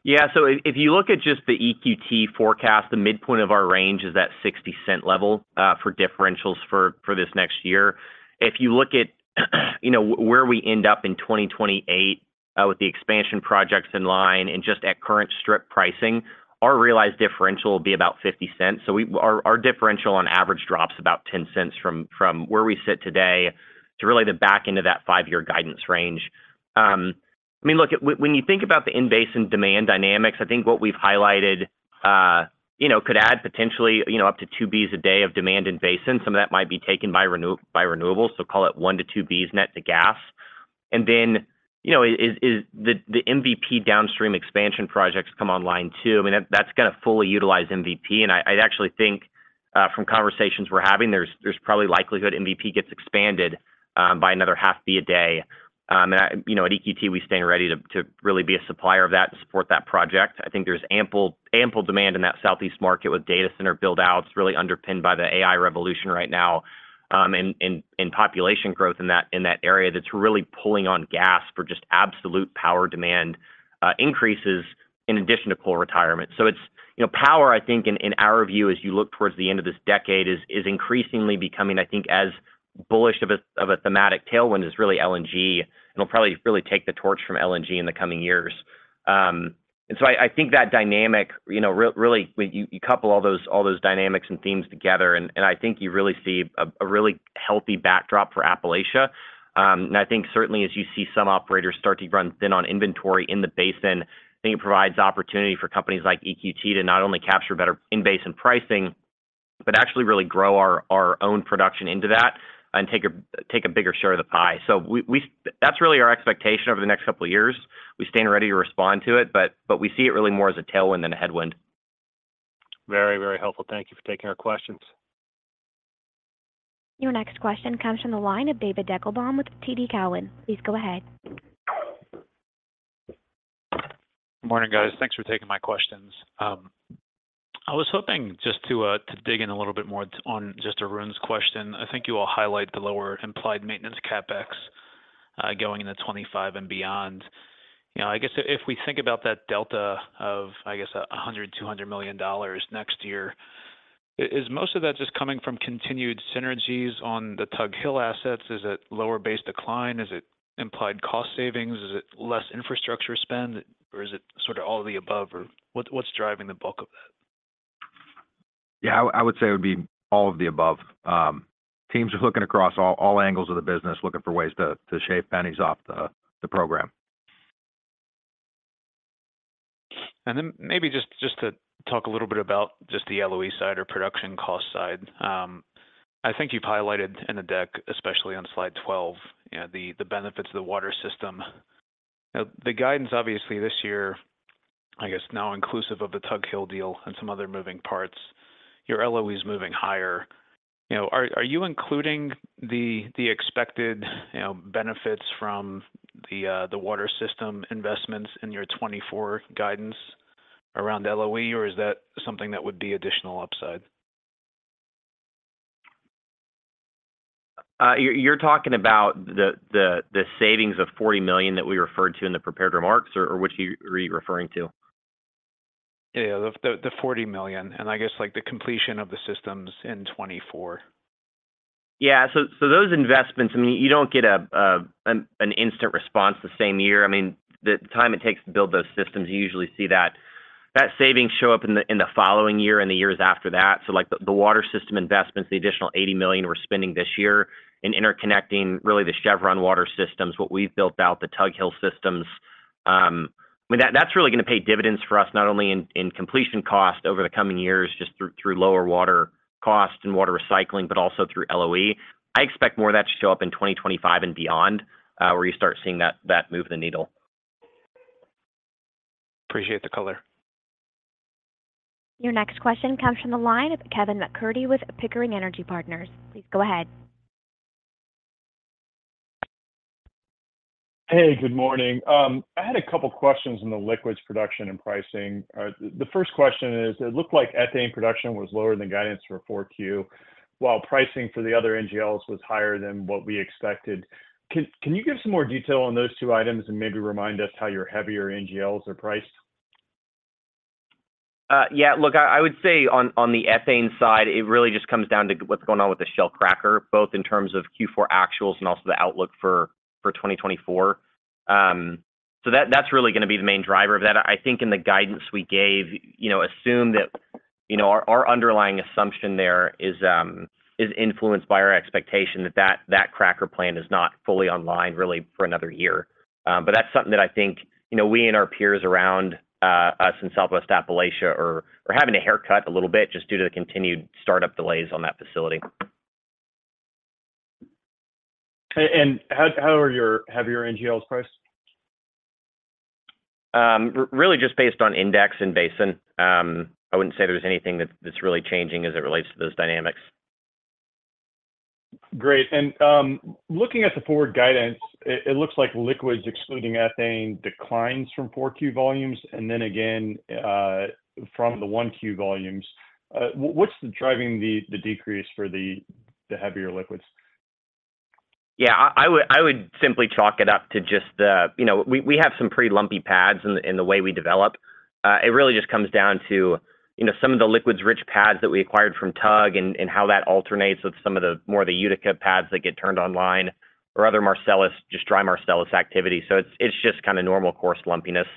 Yeah, so if you look at just the EQT forecast, the midpoint of our range is that $0.60 level for differentials for this next year. If you look at where we end up in 2028 with the expansion projects in line and just at current strip pricing, our realized differential will be about $0.50. So our differential on average drops about $0.10 from where we sit today to really the back end of that five-year guidance range. I mean, look, when you think about the in-basin demand dynamics, I think what we've highlighted could add potentially up to 2 Bcf a day of demand in-basin. Some of that might be taken by renewables, so call it 1-2 Bcf net to gas. And then the MVP downstream expansion projects come online too. I mean, that's going to fully utilize MVP. And I actually think from conversations we're having, there's probably likelihood MVP gets expanded by another 0.5 Bcf a day. And at EQT, we stand ready to really be a supplier of that and support that project. I think there's ample demand in that Southeast market with data center buildouts really underpinned by the AI revolution right now and population growth in that area that's really pulling on gas for just absolute power demand increases in addition to coal retirement. So power, I think, in our view, as you look towards the end of this decade, is increasingly becoming, I think, as bullish of a thematic tailwind as really LNG, and it'll probably really take the torch from LNG in the coming years. So I think that dynamic, really, when you couple all those dynamics and themes together, and I think you really see a really healthy backdrop for Appalachia. And I think certainly, as you see some operators start to run thin on inventory in the basin, I think it provides opportunity for companies like EQT to not only capture better in-basin pricing, but actually really grow our own production into that and take a bigger share of the pie. So that's really our expectation over the next couple of years. We stand ready to respond to it, but we see it really more as a tailwind than a headwind. Very, very helpful. Thank you for taking our questions. Your next question comes from the line of David Deckelbaum with TD Cowen. Please go ahead. Good morning, guys. Thanks for taking my questions. I was hoping just to dig in a little bit more on just Arun's question. I think you all highlight the lower implied maintenance CapEx going into 2025 and beyond. I guess if we think about that delta of, I guess, $100 million-$200 million next year, is most of that just coming from continued synergies on the Tug Hill assets? Is it lower base decline? Is it implied cost savings? Is it less infrastructure spend, or is it sort of all of the above? Or what's driving the bulk of that? Yeah, I would say it would be all of the above. Teams are looking across all angles of the business, looking for ways to shave pennies off the program. Then maybe just to talk a little bit about just the LOE side or production cost side. I think you've highlighted in the deck, especially on slide 12, the benefits of the water system. The guidance, obviously, this year, I guess now inclusive of the Tug Hill deal and some other moving parts, your LOE is moving higher. Are you including the expected benefits from the water system investments in your 2024 guidance around LOE, or is that something that would be additional upside? You're talking about the savings of $40 million that we referred to in the prepared remarks, or which are you referring to? Yeah, the $40 million, and I guess the completion of the systems in 2024. Yeah, so those investments, I mean, you don't get an instant response the same year. I mean, the time it takes to build those systems, you usually see that savings show up in the following year and the years after that. So the water system investments, the additional $80 million we're spending this year in interconnecting really the Chevron water systems, what we've built out, the Tug Hill systems, I mean, that's really going to pay dividends for us not only in completion cost over the coming years just through lower water cost and water recycling, but also through LOE. I expect more of that to show up in 2025 and beyond, where you start seeing that move of the needle. Appreciate the color. Your next question comes from the line of Kevin McCurdy with Pickering Energy Partners. Please go ahead. Hey, good morning. I had a couple of questions on the liquids production and pricing. The first question is, it looked like ethane production was lower than guidance for Q4, while pricing for the other NGLs was higher than what we expected. Can you give some more detail on those two items and maybe remind us how your heavier NGLs are priced? Yeah, look, I would say on the ethane side, it really just comes down to what's going on with the Shell cracker, both in terms of Q4 actuals and also the outlook for 2024. So that's really going to be the main driver of that. I think in the guidance we gave, assume that our underlying assumption there is influenced by our expectation that that cracker plant is not fully online really for another year. But that's something that I think we and our peers around us in Southwest Appalachia are having to haircut a little bit just due to the continued startup delays on that facility. How heavy are your NGLs priced? Really just based on index and basin. I wouldn't say there's anything that's really changing as it relates to those dynamics. Great. Looking at the forward guidance, it looks like liquids excluding ethane declines from Q4 volumes, and then again from the Q1 volumes. What's driving the decrease for the heavier liquids? Yeah, I would simply chalk it up to just that we have some pretty lumpy pads in the way we develop. It really just comes down to some of the liquids-rich pads that we acquired from Tug and how that alternates with some of the more Utica pads that get turned online or other Marcellus, just dry Marcellus activity. So it's just kind of normal course lumpiness.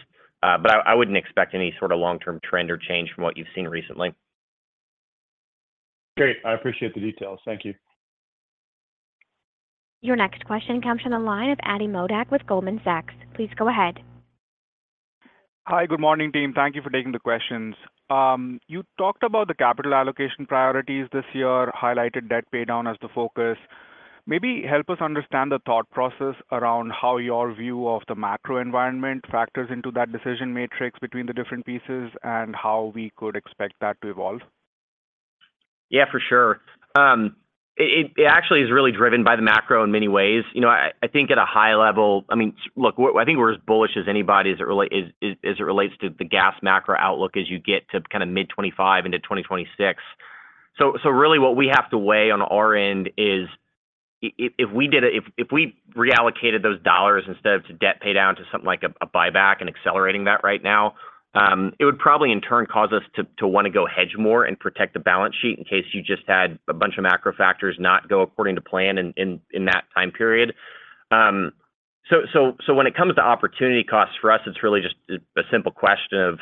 But I wouldn't expect any sort of long-term trend or change from what you've seen recently. Great. I appreciate the details. Thank you. Your next question comes from the line of Ati Modak with Goldman Sachs. Please go ahead. Hi, good morning, team. Thank you for taking the questions. You talked about the capital allocation priorities this year, highlighted debt paydown as the focus. Maybe help us understand the thought process around how your view of the macro environment factors into that decision matrix between the different pieces and how we could expect that to evolve? Yeah, for sure. It actually is really driven by the macro in many ways. I think at a high level, I mean, look, I think we're as bullish as anybody as it relates to the gas macro outlook as you get to kind of mid-2025 into 2026. So really what we have to weigh on our end is if we reallocated those dollars instead of to debt paydown to something like a buyback and accelerating that right now, it would probably in turn cause us to want to go hedge more and protect the balance sheet in case you just had a bunch of macro factors not go according to plan in that time period. So when it comes to opportunity costs for us, it's really just a simple question of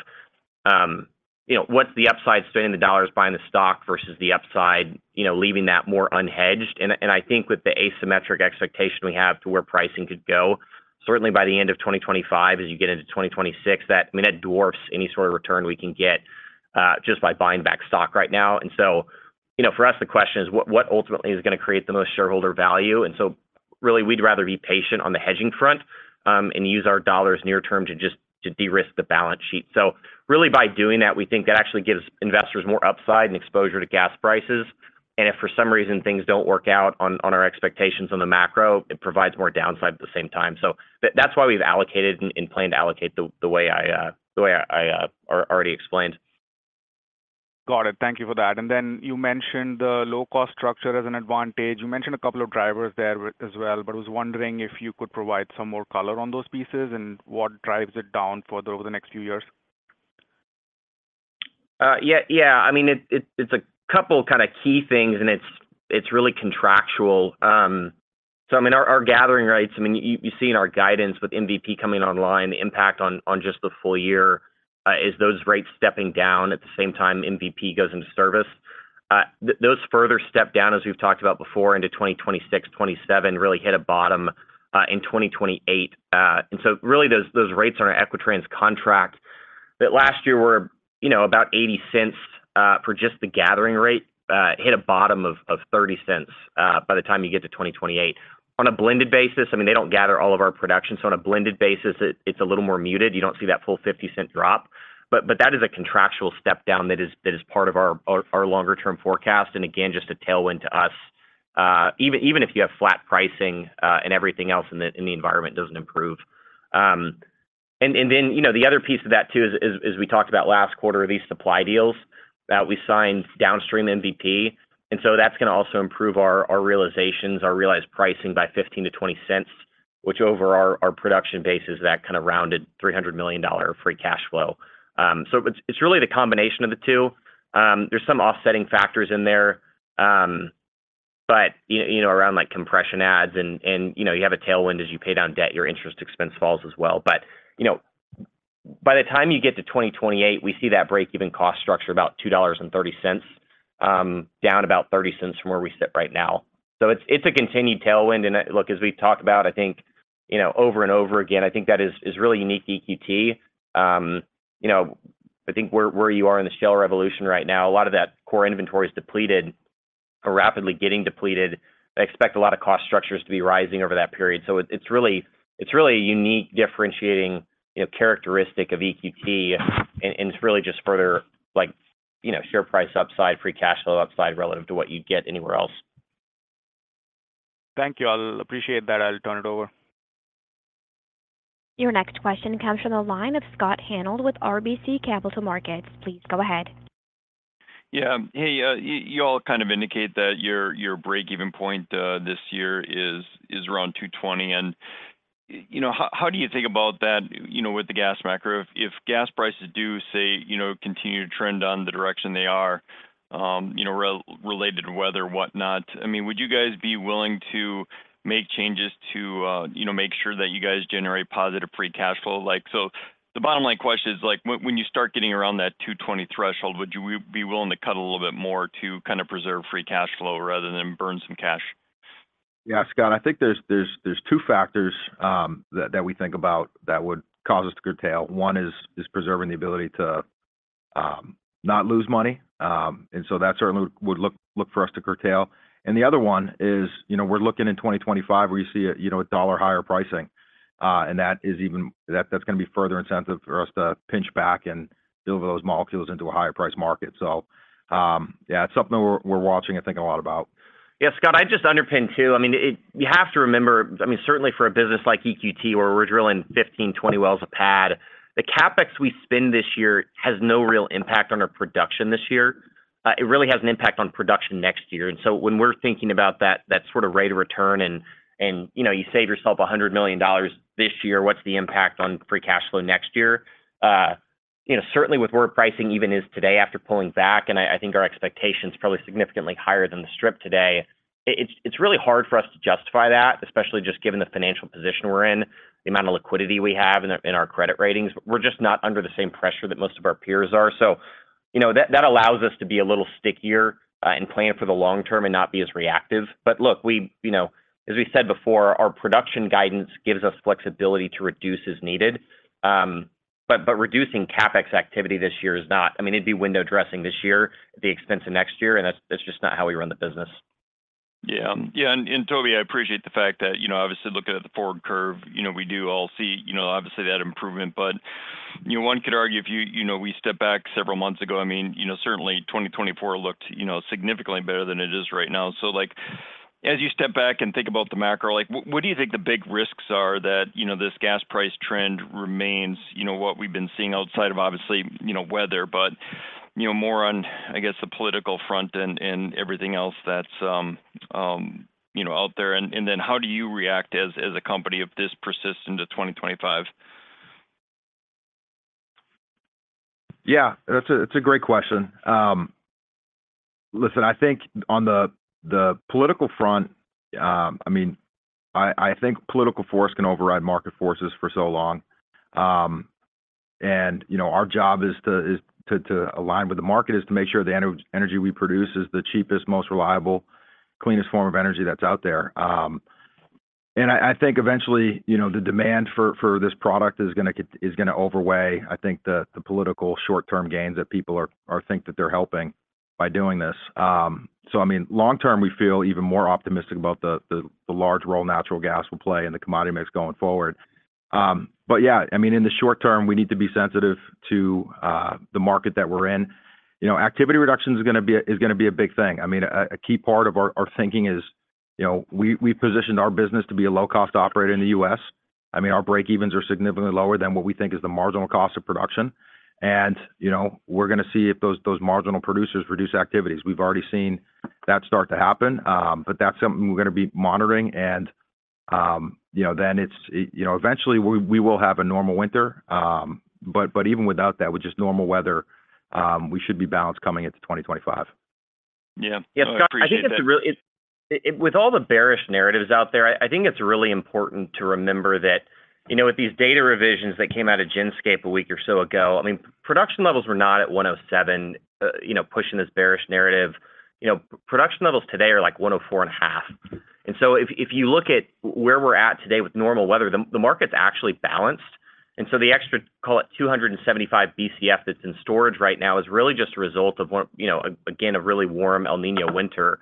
what's the upside spending the dollars buying the stock versus the upside leaving that more unhedged? And I think with the asymmetric expectation we have to where pricing could go, certainly by the end of 2025 as you get into 2026, I mean, that dwarfs any sort of return we can get just by buying back stock right now. And so for us, the question is, what ultimately is going to create the most shareholder value? And so really, we'd rather be patient on the hedging front and use our dollars near-term to just de-risk the balance sheet. So really by doing that, we think that actually gives investors more upside and exposure to gas prices. If for some reason things don't work out on our expectations on the macro, it provides more downside at the same time. That's why we've allocated and planned to allocate the way I already explained. Got it. Thank you for that. And then you mentioned the low-cost structure as an advantage. You mentioned a couple of drivers there as well, but I was wondering if you could provide some more color on those pieces and what drives it down further over the next few years. Yeah, yeah. I mean, it's a couple of kind of key things, and it's really contractual. So I mean, our gathering rates, I mean, you see in our guidance with MVP coming online, the impact on just the full year is those rates stepping down at the same time MVP goes into service. Those further step down, as we've talked about before, into 2026, 2027 really hit a bottom in 2028. And so really those rates on our Equitrans contract that last year were about $0.80 for just the gathering rate hit a bottom of $0.30 by the time you get to 2028. On a blended basis, I mean, they don't gather all of our production, so on a blended basis, it's a little more muted. You don't see that full $0.50 drop. But that is a contractual step down that is part of our longer-term forecast and, again, just a tailwind to us even if you have flat pricing and everything else in the environment doesn't improve. And then the other piece of that too is, as we talked about last quarter, these supply deals that we signed downstream MVP. And so that's going to also improve our realizations, our realized pricing by $0.15-$0.20, which over our production base is that kind of rounded $300 million of free cash flow. So it's really the combination of the two. There's some offsetting factors in there. But around compression adds, and you have a tailwind as you pay down debt, your interest expense falls as well. But by the time you get to 2028, we see that break-even cost structure about $2.30 down about $0.30 from where we sit right now. So it's a continued tailwind. And look, as we've talked about, I think over and over again, I think that is really unique to EQT. I think where you are in the shale revolution right now, a lot of that core inventory is depleted, rapidly getting depleted. I expect a lot of cost structures to be rising over that period. So it's really a unique differentiating characteristic of EQT, and it's really just further share price upside, free cash flow upside relative to what you'd get anywhere else. Thank you. I'll appreciate that. I'll turn it over. Your next question comes from the line of Scott Hanold with RBC Capital Markets. Please go ahead. Yeah, hey, you all kind of indicate that your break-even point this year is around $2.20. And how do you think about that with the gas macro? If gas prices do, say, continue to trend in the direction they are related to weather, whatnot, I mean, would you guys be willing to make changes to make sure that you guys generate positive free cash flow? So the bottom line question is, when you start getting around that $2.20 threshold, would you be willing to cut a little bit more to kind of preserve free cash flow rather than burn some cash? Yeah, Scott, I think there's two factors that we think about that would cause us to curtail. One is preserving the ability to not lose money. And the other one is we're looking in 2025 where you see $1 higher pricing. And that's going to be further incentive for us to pinch back and deliver those molecules into a higher price market. So yeah, it's something we're watching and thinking a lot about. Yeah, Scott, I'd just underpin too. I mean, you have to remember, I mean, certainly for a business like EQT where we're drilling 15, 20 wells a pad, the CapEx we spend this year has no real impact on our production this year. It really has an impact on production next year. And so when we're thinking about that sort of rate of return and you save yourself $100 million this year, what's the impact on free cash flow next year? Certainly with where pricing even is today after pulling back, and I think our expectation is probably significantly higher than the strip today, it's really hard for us to justify that, especially just given the financial position we're in, the amount of liquidity we have in our credit ratings. We're just not under the same pressure that most of our peers are. So that allows us to be a little stickier in planning for the long term and not be as reactive. But look, as we said before, our production guidance gives us flexibility to reduce as needed. But reducing CapEx activity this year is not I mean, it'd be window dressing this year at the expense of next year, and that's just not how we run the business. Yeah, yeah. And Toby, I appreciate the fact that obviously, looking at the forward curve, we do all see obviously that improvement. But one could argue if we step back several months ago, I mean, certainly 2024 looked significantly better than it is right now. So as you step back and think about the macro, what do you think the big risks are that this gas price trend remains what we've been seeing outside of obviously weather, but more on, I guess, the political front and everything else that's out there? And then how do you react as a company if this persists into 2025? Yeah, that's a great question. Listen, I think on the political front, I mean, I think political force can override market forces for so long. And our job is to align with the market is to make sure the energy we produce is the cheapest, most reliable, cleanest form of energy that's out there. And I think eventually the demand for this product is going to outweigh, I think, the political short-term gains that people think that they're helping by doing this. So I mean, long-term, we feel even more optimistic about the large role natural gas will play in the commodity mix going forward. But yeah, I mean, in the short term, we need to be sensitive to the market that we're in. Activity reduction is going to be a big thing. I mean, a key part of our thinking is we've positioned our business to be a low-cost operator in the US. I mean, our break-evens are significantly lower than what we think is the marginal cost of production. And we're going to see if those marginal producers reduce activities. We've already seen that start to happen. But that's something we're going to be monitoring. And then eventually, we will have a normal winter. But even without that, with just normal weather, we should be balanced coming into 2025. Yeah. Yeah, Scott, I think it's really with all the bearish narratives out there, I think it's really important to remember that with these data revisions that came out of Genscape a week or so ago, I mean, production levels were not at 107 pushing this bearish narrative. Production levels today are like 104.5. And so if you look at where we're at today with normal weather, the market's actually balanced. And so the extra, call it, 275 Bcf that's in storage right now is really just a result of, again, a really warm El Niño winter.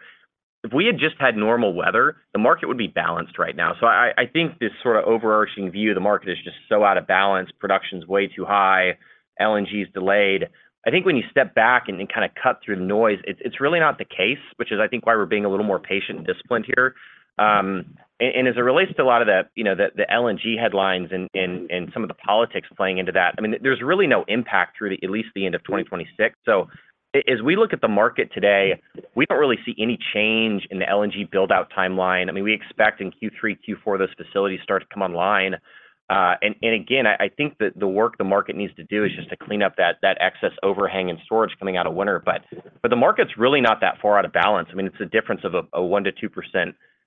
If we had just had normal weather, the market would be balanced right now. So I think this sort of overarching view, the market is just so out of balance, production's way too high, LNG's delayed. I think when you step back and kind of cut through the noise, it's really not the case, which is I think why we're being a little more patient and disciplined here. And as it relates to a lot of the LNG headlines and some of the politics playing into that, I mean, there's really no impact through at least the end of 2026. So as we look at the market today, we don't really see any change in the LNG buildout timeline. I mean, we expect in Q3, Q4, those facilities start to come online. And again, I think that the work the market needs to do is just to clean up that excess overhang in storage coming out of winter. But the market's really not that far out of balance. I mean, it's a difference of a 1%-2%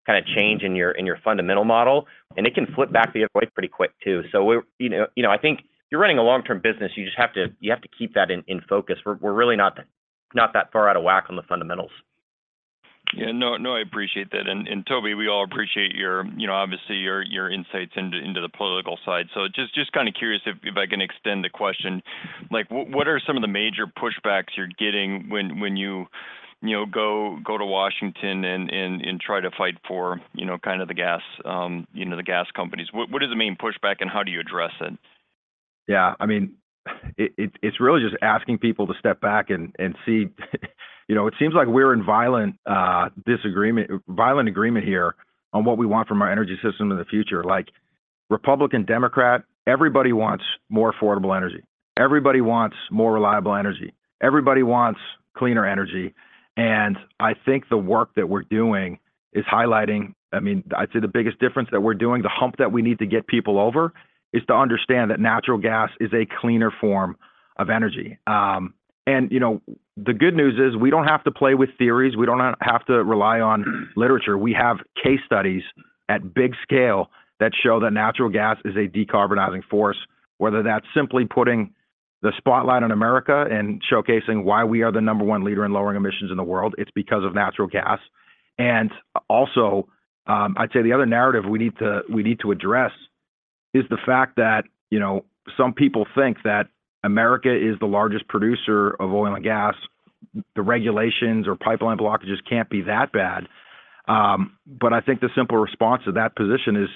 kind of change in your fundamental model. It can flip back the other way pretty quick too. I think if you're running a long-term business, you just have to keep that in focus. We're really not that far out of whack on the fundamentals. Yeah, no, I appreciate that. And Toby, we all appreciate obviously your insights into the political side. So just kind of curious if I can extend the question. What are some of the major pushbacks you're getting when you go to Washington and try to fight for kind of the gas companies? What is the main pushback and how do you address it? Yeah, I mean, it's really just asking people to step back and see. It seems like we're in violent agreement here on what we want from our energy system in the future. Republican, Democrat, everybody wants more affordable energy. Everybody wants more reliable energy. Everybody wants cleaner energy. And I think the work that we're doing is highlighting. I mean, I'd say the biggest difference that we're doing, the hump that we need to get people over, is to understand that natural gas is a cleaner form of energy. And the good news is we don't have to play with theories. We don't have to rely on literature. We have case studies at big scale that show that natural gas is a decarbonizing force. Whether that's simply putting the spotlight on America and showcasing why we are the number one leader in lowering emissions in the world, it's because of natural gas. And also, I'd say the other narrative we need to address is the fact that some people think that America is the largest producer of oil and gas. The regulations or pipeline blockages can't be that bad. But I think the simple response to that position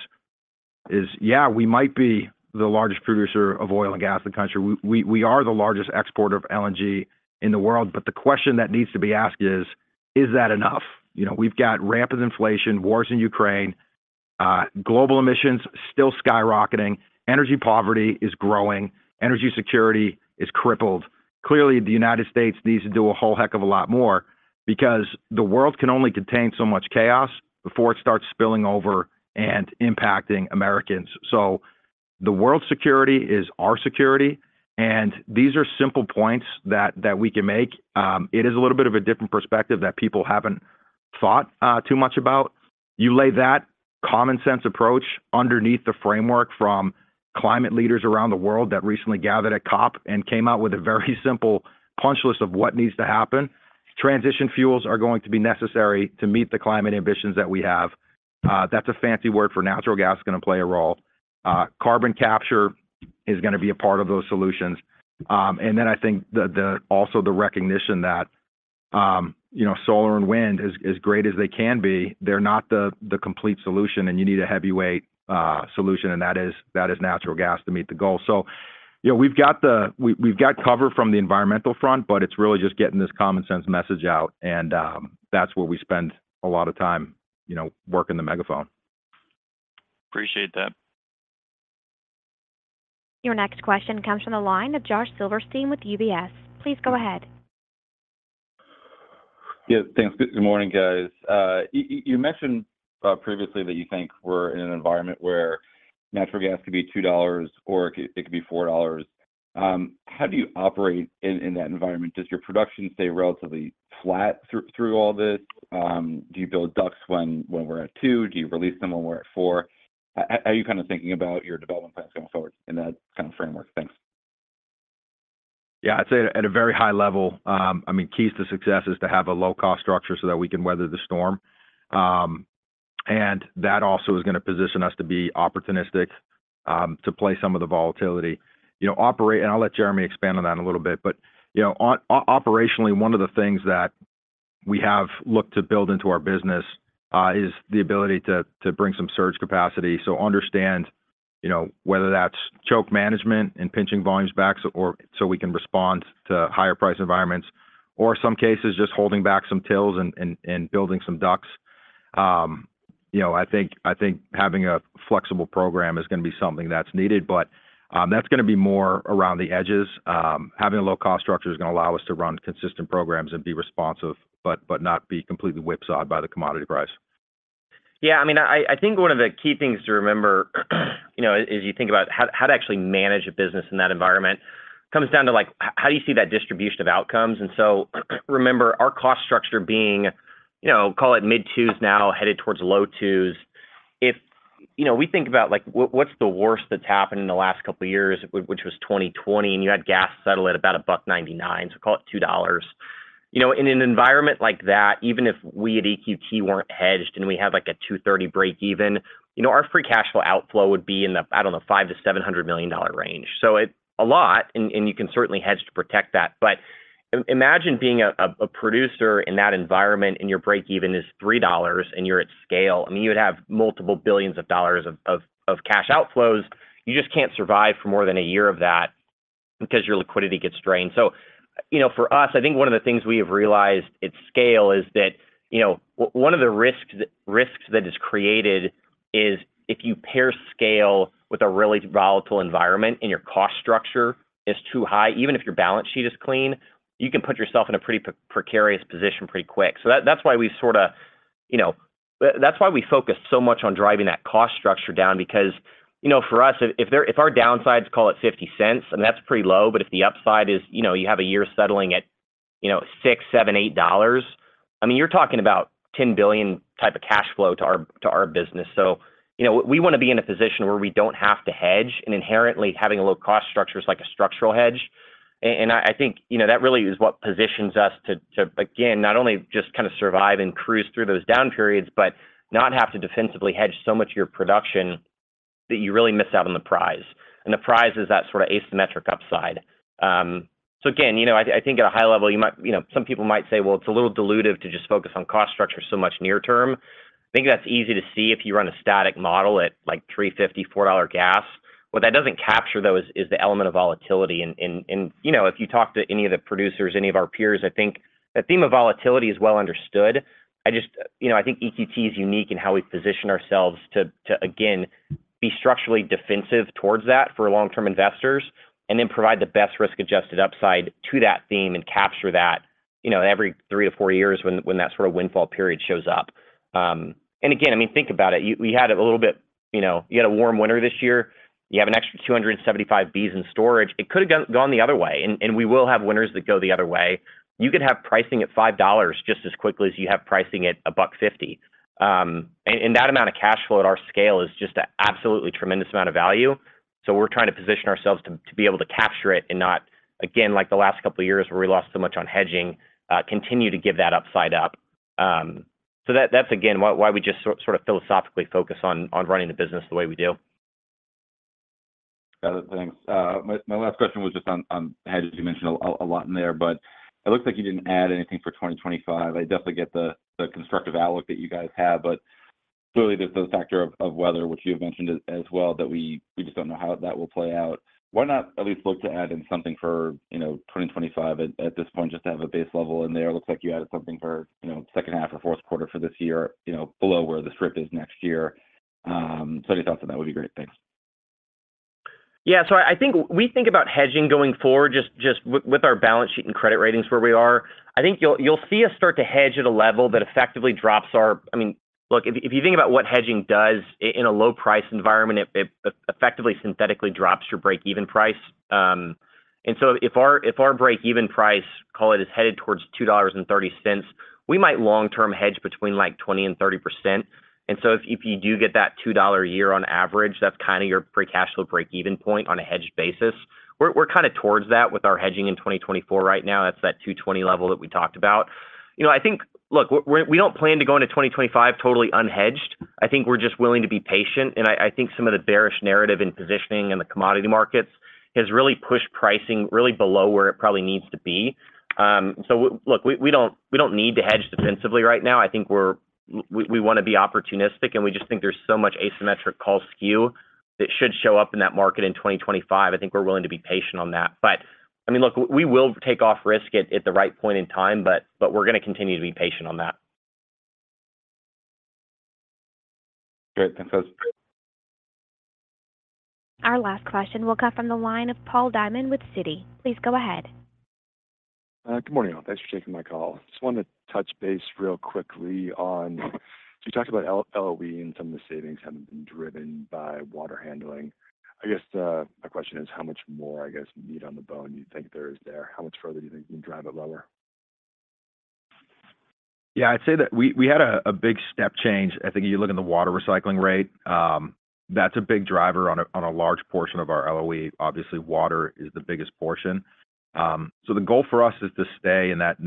is, yeah, we might be the largest producer of oil and gas in the country. We are the largest exporter of LNG in the world. But the question that needs to be asked is, is that enough? We've got rampant inflation, wars in Ukraine, global emissions still skyrocketing, energy poverty is growing, energy security is crippled. Clearly, the United States needs to do a whole heck of a lot more because the world can only contain so much chaos before it starts spilling over and impacting Americans. So the world's security is our security. And these are simple points that we can make. It is a little bit of a different perspective that people haven't thought too much about. You lay that common sense approach underneath the framework from climate leaders around the world that recently gathered at COP and came out with a very simple punch list of what needs to happen. Transition fuels are going to be necessary to meet the climate ambitions that we have. That's a fancy word for natural gas is going to play a role. Carbon capture is going to be a part of those solutions. I think also the recognition that solar and wind, as great as they can be, they're not the complete solution. You need a heavyweight solution. That is natural gas to meet the goal. We've got cover from the environmental front, but it's really just getting this common sense message out. That's where we spend a lot of time working the megaphone. Appreciate that. Your next question comes from the line of Josh Silverstein with UBS. Please go ahead. Yeah, thanks. Good morning, guys. You mentioned previously that you think we're in an environment where natural gas could be $2 or it could be $4. How do you operate in that environment? Does your production stay relatively flat through all this? Do you build DUCs when we're at $2? Do you release them when we're at $4? How are you kind of thinking about your development plans going forward in that kind of framework? Thanks. Yeah, I'd say at a very high level, I mean, keys to success is to have a low-cost structure so that we can weather the storm. That also is going to position us to be opportunistic, to play some of the volatility. I'll let Jeremy expand on that in a little bit. But operationally, one of the things that we have looked to build into our business is the ability to bring some surge capacity. Understand whether that's choke management and pinching volumes back so we can respond to higher price environments, or in some cases, just holding back some wells and building some pads. I think having a flexible program is going to be something that's needed. But that's going to be more around the edges. Having a low-cost structure is going to allow us to run consistent programs and be responsive, but not be completely whipsawed by the commodity price. Yeah, I mean, I think one of the key things to remember as you think about how to actually manage a business in that environment comes down to how do you see that distribution of outcomes? And so remember our cost structure being, call it mid-$2s now, headed towards low-$2s. If we think about what's the worst that's happened in the last couple of years, which was 2020, and you had gas settle at about $1.99, so call it $2. In an environment like that, even if we at EQT weren't hedged and we had like a $2.30 break-even, our free cash flow outflow would be in the, I don't know, $500 million-$700 million range. So a lot. And you can certainly hedge to protect that. But imagine being a producer in that environment and your break-even is $3 and you're at scale. I mean, you would have multiple billions of dollars of cash outflows. You just can't survive for more than a year of that because your liquidity gets drained. So for us, I think one of the things we have realized at scale is that one of the risks that is created is if you pair scale with a really volatile environment and your cost structure is too high, even if your balance sheet is clean, you can put yourself in a pretty precarious position pretty quick. So that's why we sort of that's why we focus so much on driving that cost structure down. Because for us, if our downside's, call it $0.50, I mean, that's pretty low. But if the upside is you have a year settling at $6-$8, I mean, you're talking about $10 billion type of cash flow to our business. So we want to be in a position where we don't have to hedge. And inherently, having a low-cost structure is like a structural hedge. And I think that really is what positions us to, again, not only just kind of survive and cruise through those down periods, but not have to defensively hedge so much of your production that you really miss out on the prize. And the prize is that sort of asymmetric upside. So again, I think at a high level, some people might say, "Well, it's a little dilutive to just focus on cost structure so much near term." I think that's easy to see if you run a static model at like $3.50-$4 gas. What that doesn't capture, though, is the element of volatility. And if you talk to any of the producers, any of our peers, I think the theme of volatility is well understood. I think EQT is unique in how we position ourselves to, again, be structurally defensive towards that for long-term investors, and then provide the best risk-adjusted upside to that theme and capture that every three to four years when that sort of windfall period shows up. And again, I mean, think about it. We had a little bit you had a warm winter this year. You have an extra 275 Bcf in storage. It could have gone the other way. And we will have winters that go the other way. You could have pricing at $5 just as quickly as you have pricing at $1.50. And that amount of cash flow at our scale is just an absolutely tremendous amount of value. So we're trying to position ourselves to be able to capture it and not, again, like the last couple of years where we lost so much on hedging, continue to give that upside up. So that's, again, why we just sort of philosophically focus on running the business the way we do. Got it. Thanks. My last question was just on hedge. You mentioned a lot in there. But it looks like you didn't add anything for 2025. I definitely get the constructive outlook that you guys have. But clearly, there's the factor of weather, which you have mentioned as well, that we just don't know how that will play out. Why not at least look to add in something for 2025 at this point, just to have a base level in there? It looks like you added something for second half or fourth quarter for this year, below where the strip is next year. So any thoughts on that would be great. Thanks. Yeah, so I think we think about hedging going forward just with our balance sheet and credit ratings where we are. I think you'll see us start to hedge at a level that effectively drops our—I mean, look, if you think about what hedging does in a low-price environment, it effectively synthetically drops your break-even price. And so if our break-even price, call it, is headed towards $2.30, we might long-term hedge between like 20%-30%. And so if you do get that $2 a year on average, that's kind of your free cash flow break-even point on a hedged basis. We're kind of towards that with our hedging in 2024 right now. That's that $2.20 level that we talked about. I think, look, we don't plan to go into 2025 totally unhedged. I think we're just willing to be patient. I think some of the bearish narrative in positioning and the commodity markets has really pushed pricing really below where it probably needs to be. So look, we don't need to hedge defensively right now. I think we want to be opportunistic. We just think there's so much asymmetric call skew that should show up in that market in 2025. I think we're willing to be patient on that. I mean, look, we will take off risk at the right point in time. We're going to continue to be patient on that. Great. Thanks, guys. Our last question will come from the line of Paul Diamond with Citi. Please go ahead. Good morning, all. Thanks for taking my call. Just wanted to touch base real quickly on so you talked about LOE and some of the savings having been driven by water handling. I guess my question is, how much more, I guess, meat on the bone do you think there is there? How much further do you think you can drive it lower? Yeah, I'd say that we had a big step change. I think you look at the water recycling rate. That's a big driver on a large portion of our LOE. Obviously, water is the biggest portion. So the goal for us is to stay in that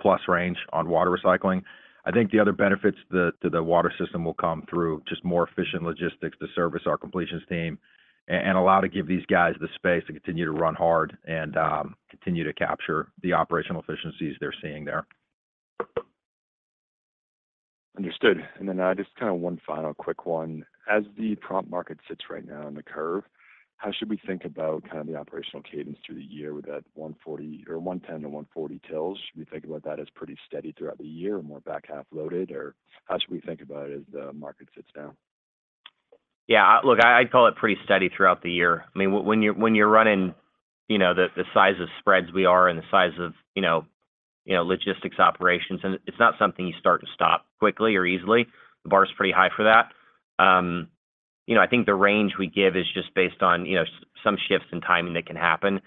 95%+ range on water recycling. I think the other benefits to the water system will come through just more efficient logistics to service our completions team and allow to give these guys the space to continue to run hard and continue to capture the operational efficiencies they're seeing there. Understood. And then just kind of one final quick one. As the prompt market sits right now on the curve, how should we think about kind of the operational cadence through the year with that 110-140 wells? Should we think about that as pretty steady throughout the year or more back half loaded? Or how should we think about it as the market sits now? Yeah, look, I'd call it pretty steady throughout the year. I mean, when you're running the size of spreads we are and the size of logistics operations, and it's not something you start and stop quickly or easily. The bar is pretty high for that. I think the range we give is just based on some shifts in timing that can happen.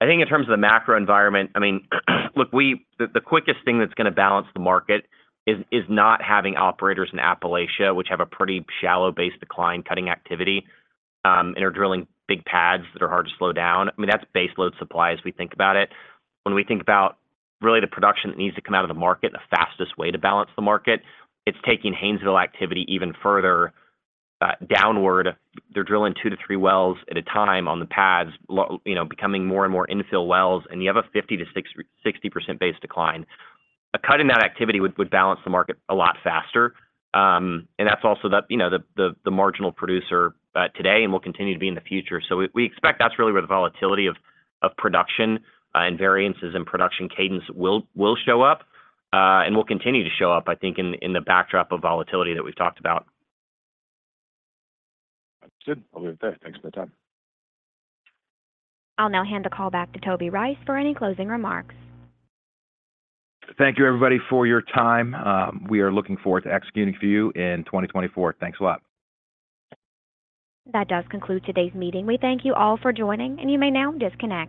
I think in terms of the macro environment, I mean, look, the quickest thing that's going to balance the market is not having operators in Appalachia, which have a pretty shallow-based decline cutting activity and are drilling big pads that are hard to slow down. I mean, that's base load supply as we think about it. When we think about really the production that needs to come out of the market, the fastest way to balance the market, it's taking Haynesville activity even further downward. They're drilling two to three wells at a time on the pads, becoming more and more infill wells. You have a 50%-60% base decline. Cutting that activity would balance the market a lot faster. That's also the marginal producer today and will continue to be in the future. We expect that's really where the volatility of production and variances in production cadence will show up. And will continue to show up, I think, in the backdrop of volatility that we've talked about. Understood. I'll leave it there. Thanks for the time. I'll now hand the call back to Toby Rice for any closing remarks. Thank you, everybody, for your time. We are looking forward to executing for you in 2024. Thanks a lot. That does conclude today's meeting. We thank you all for joining. You may now disconnect.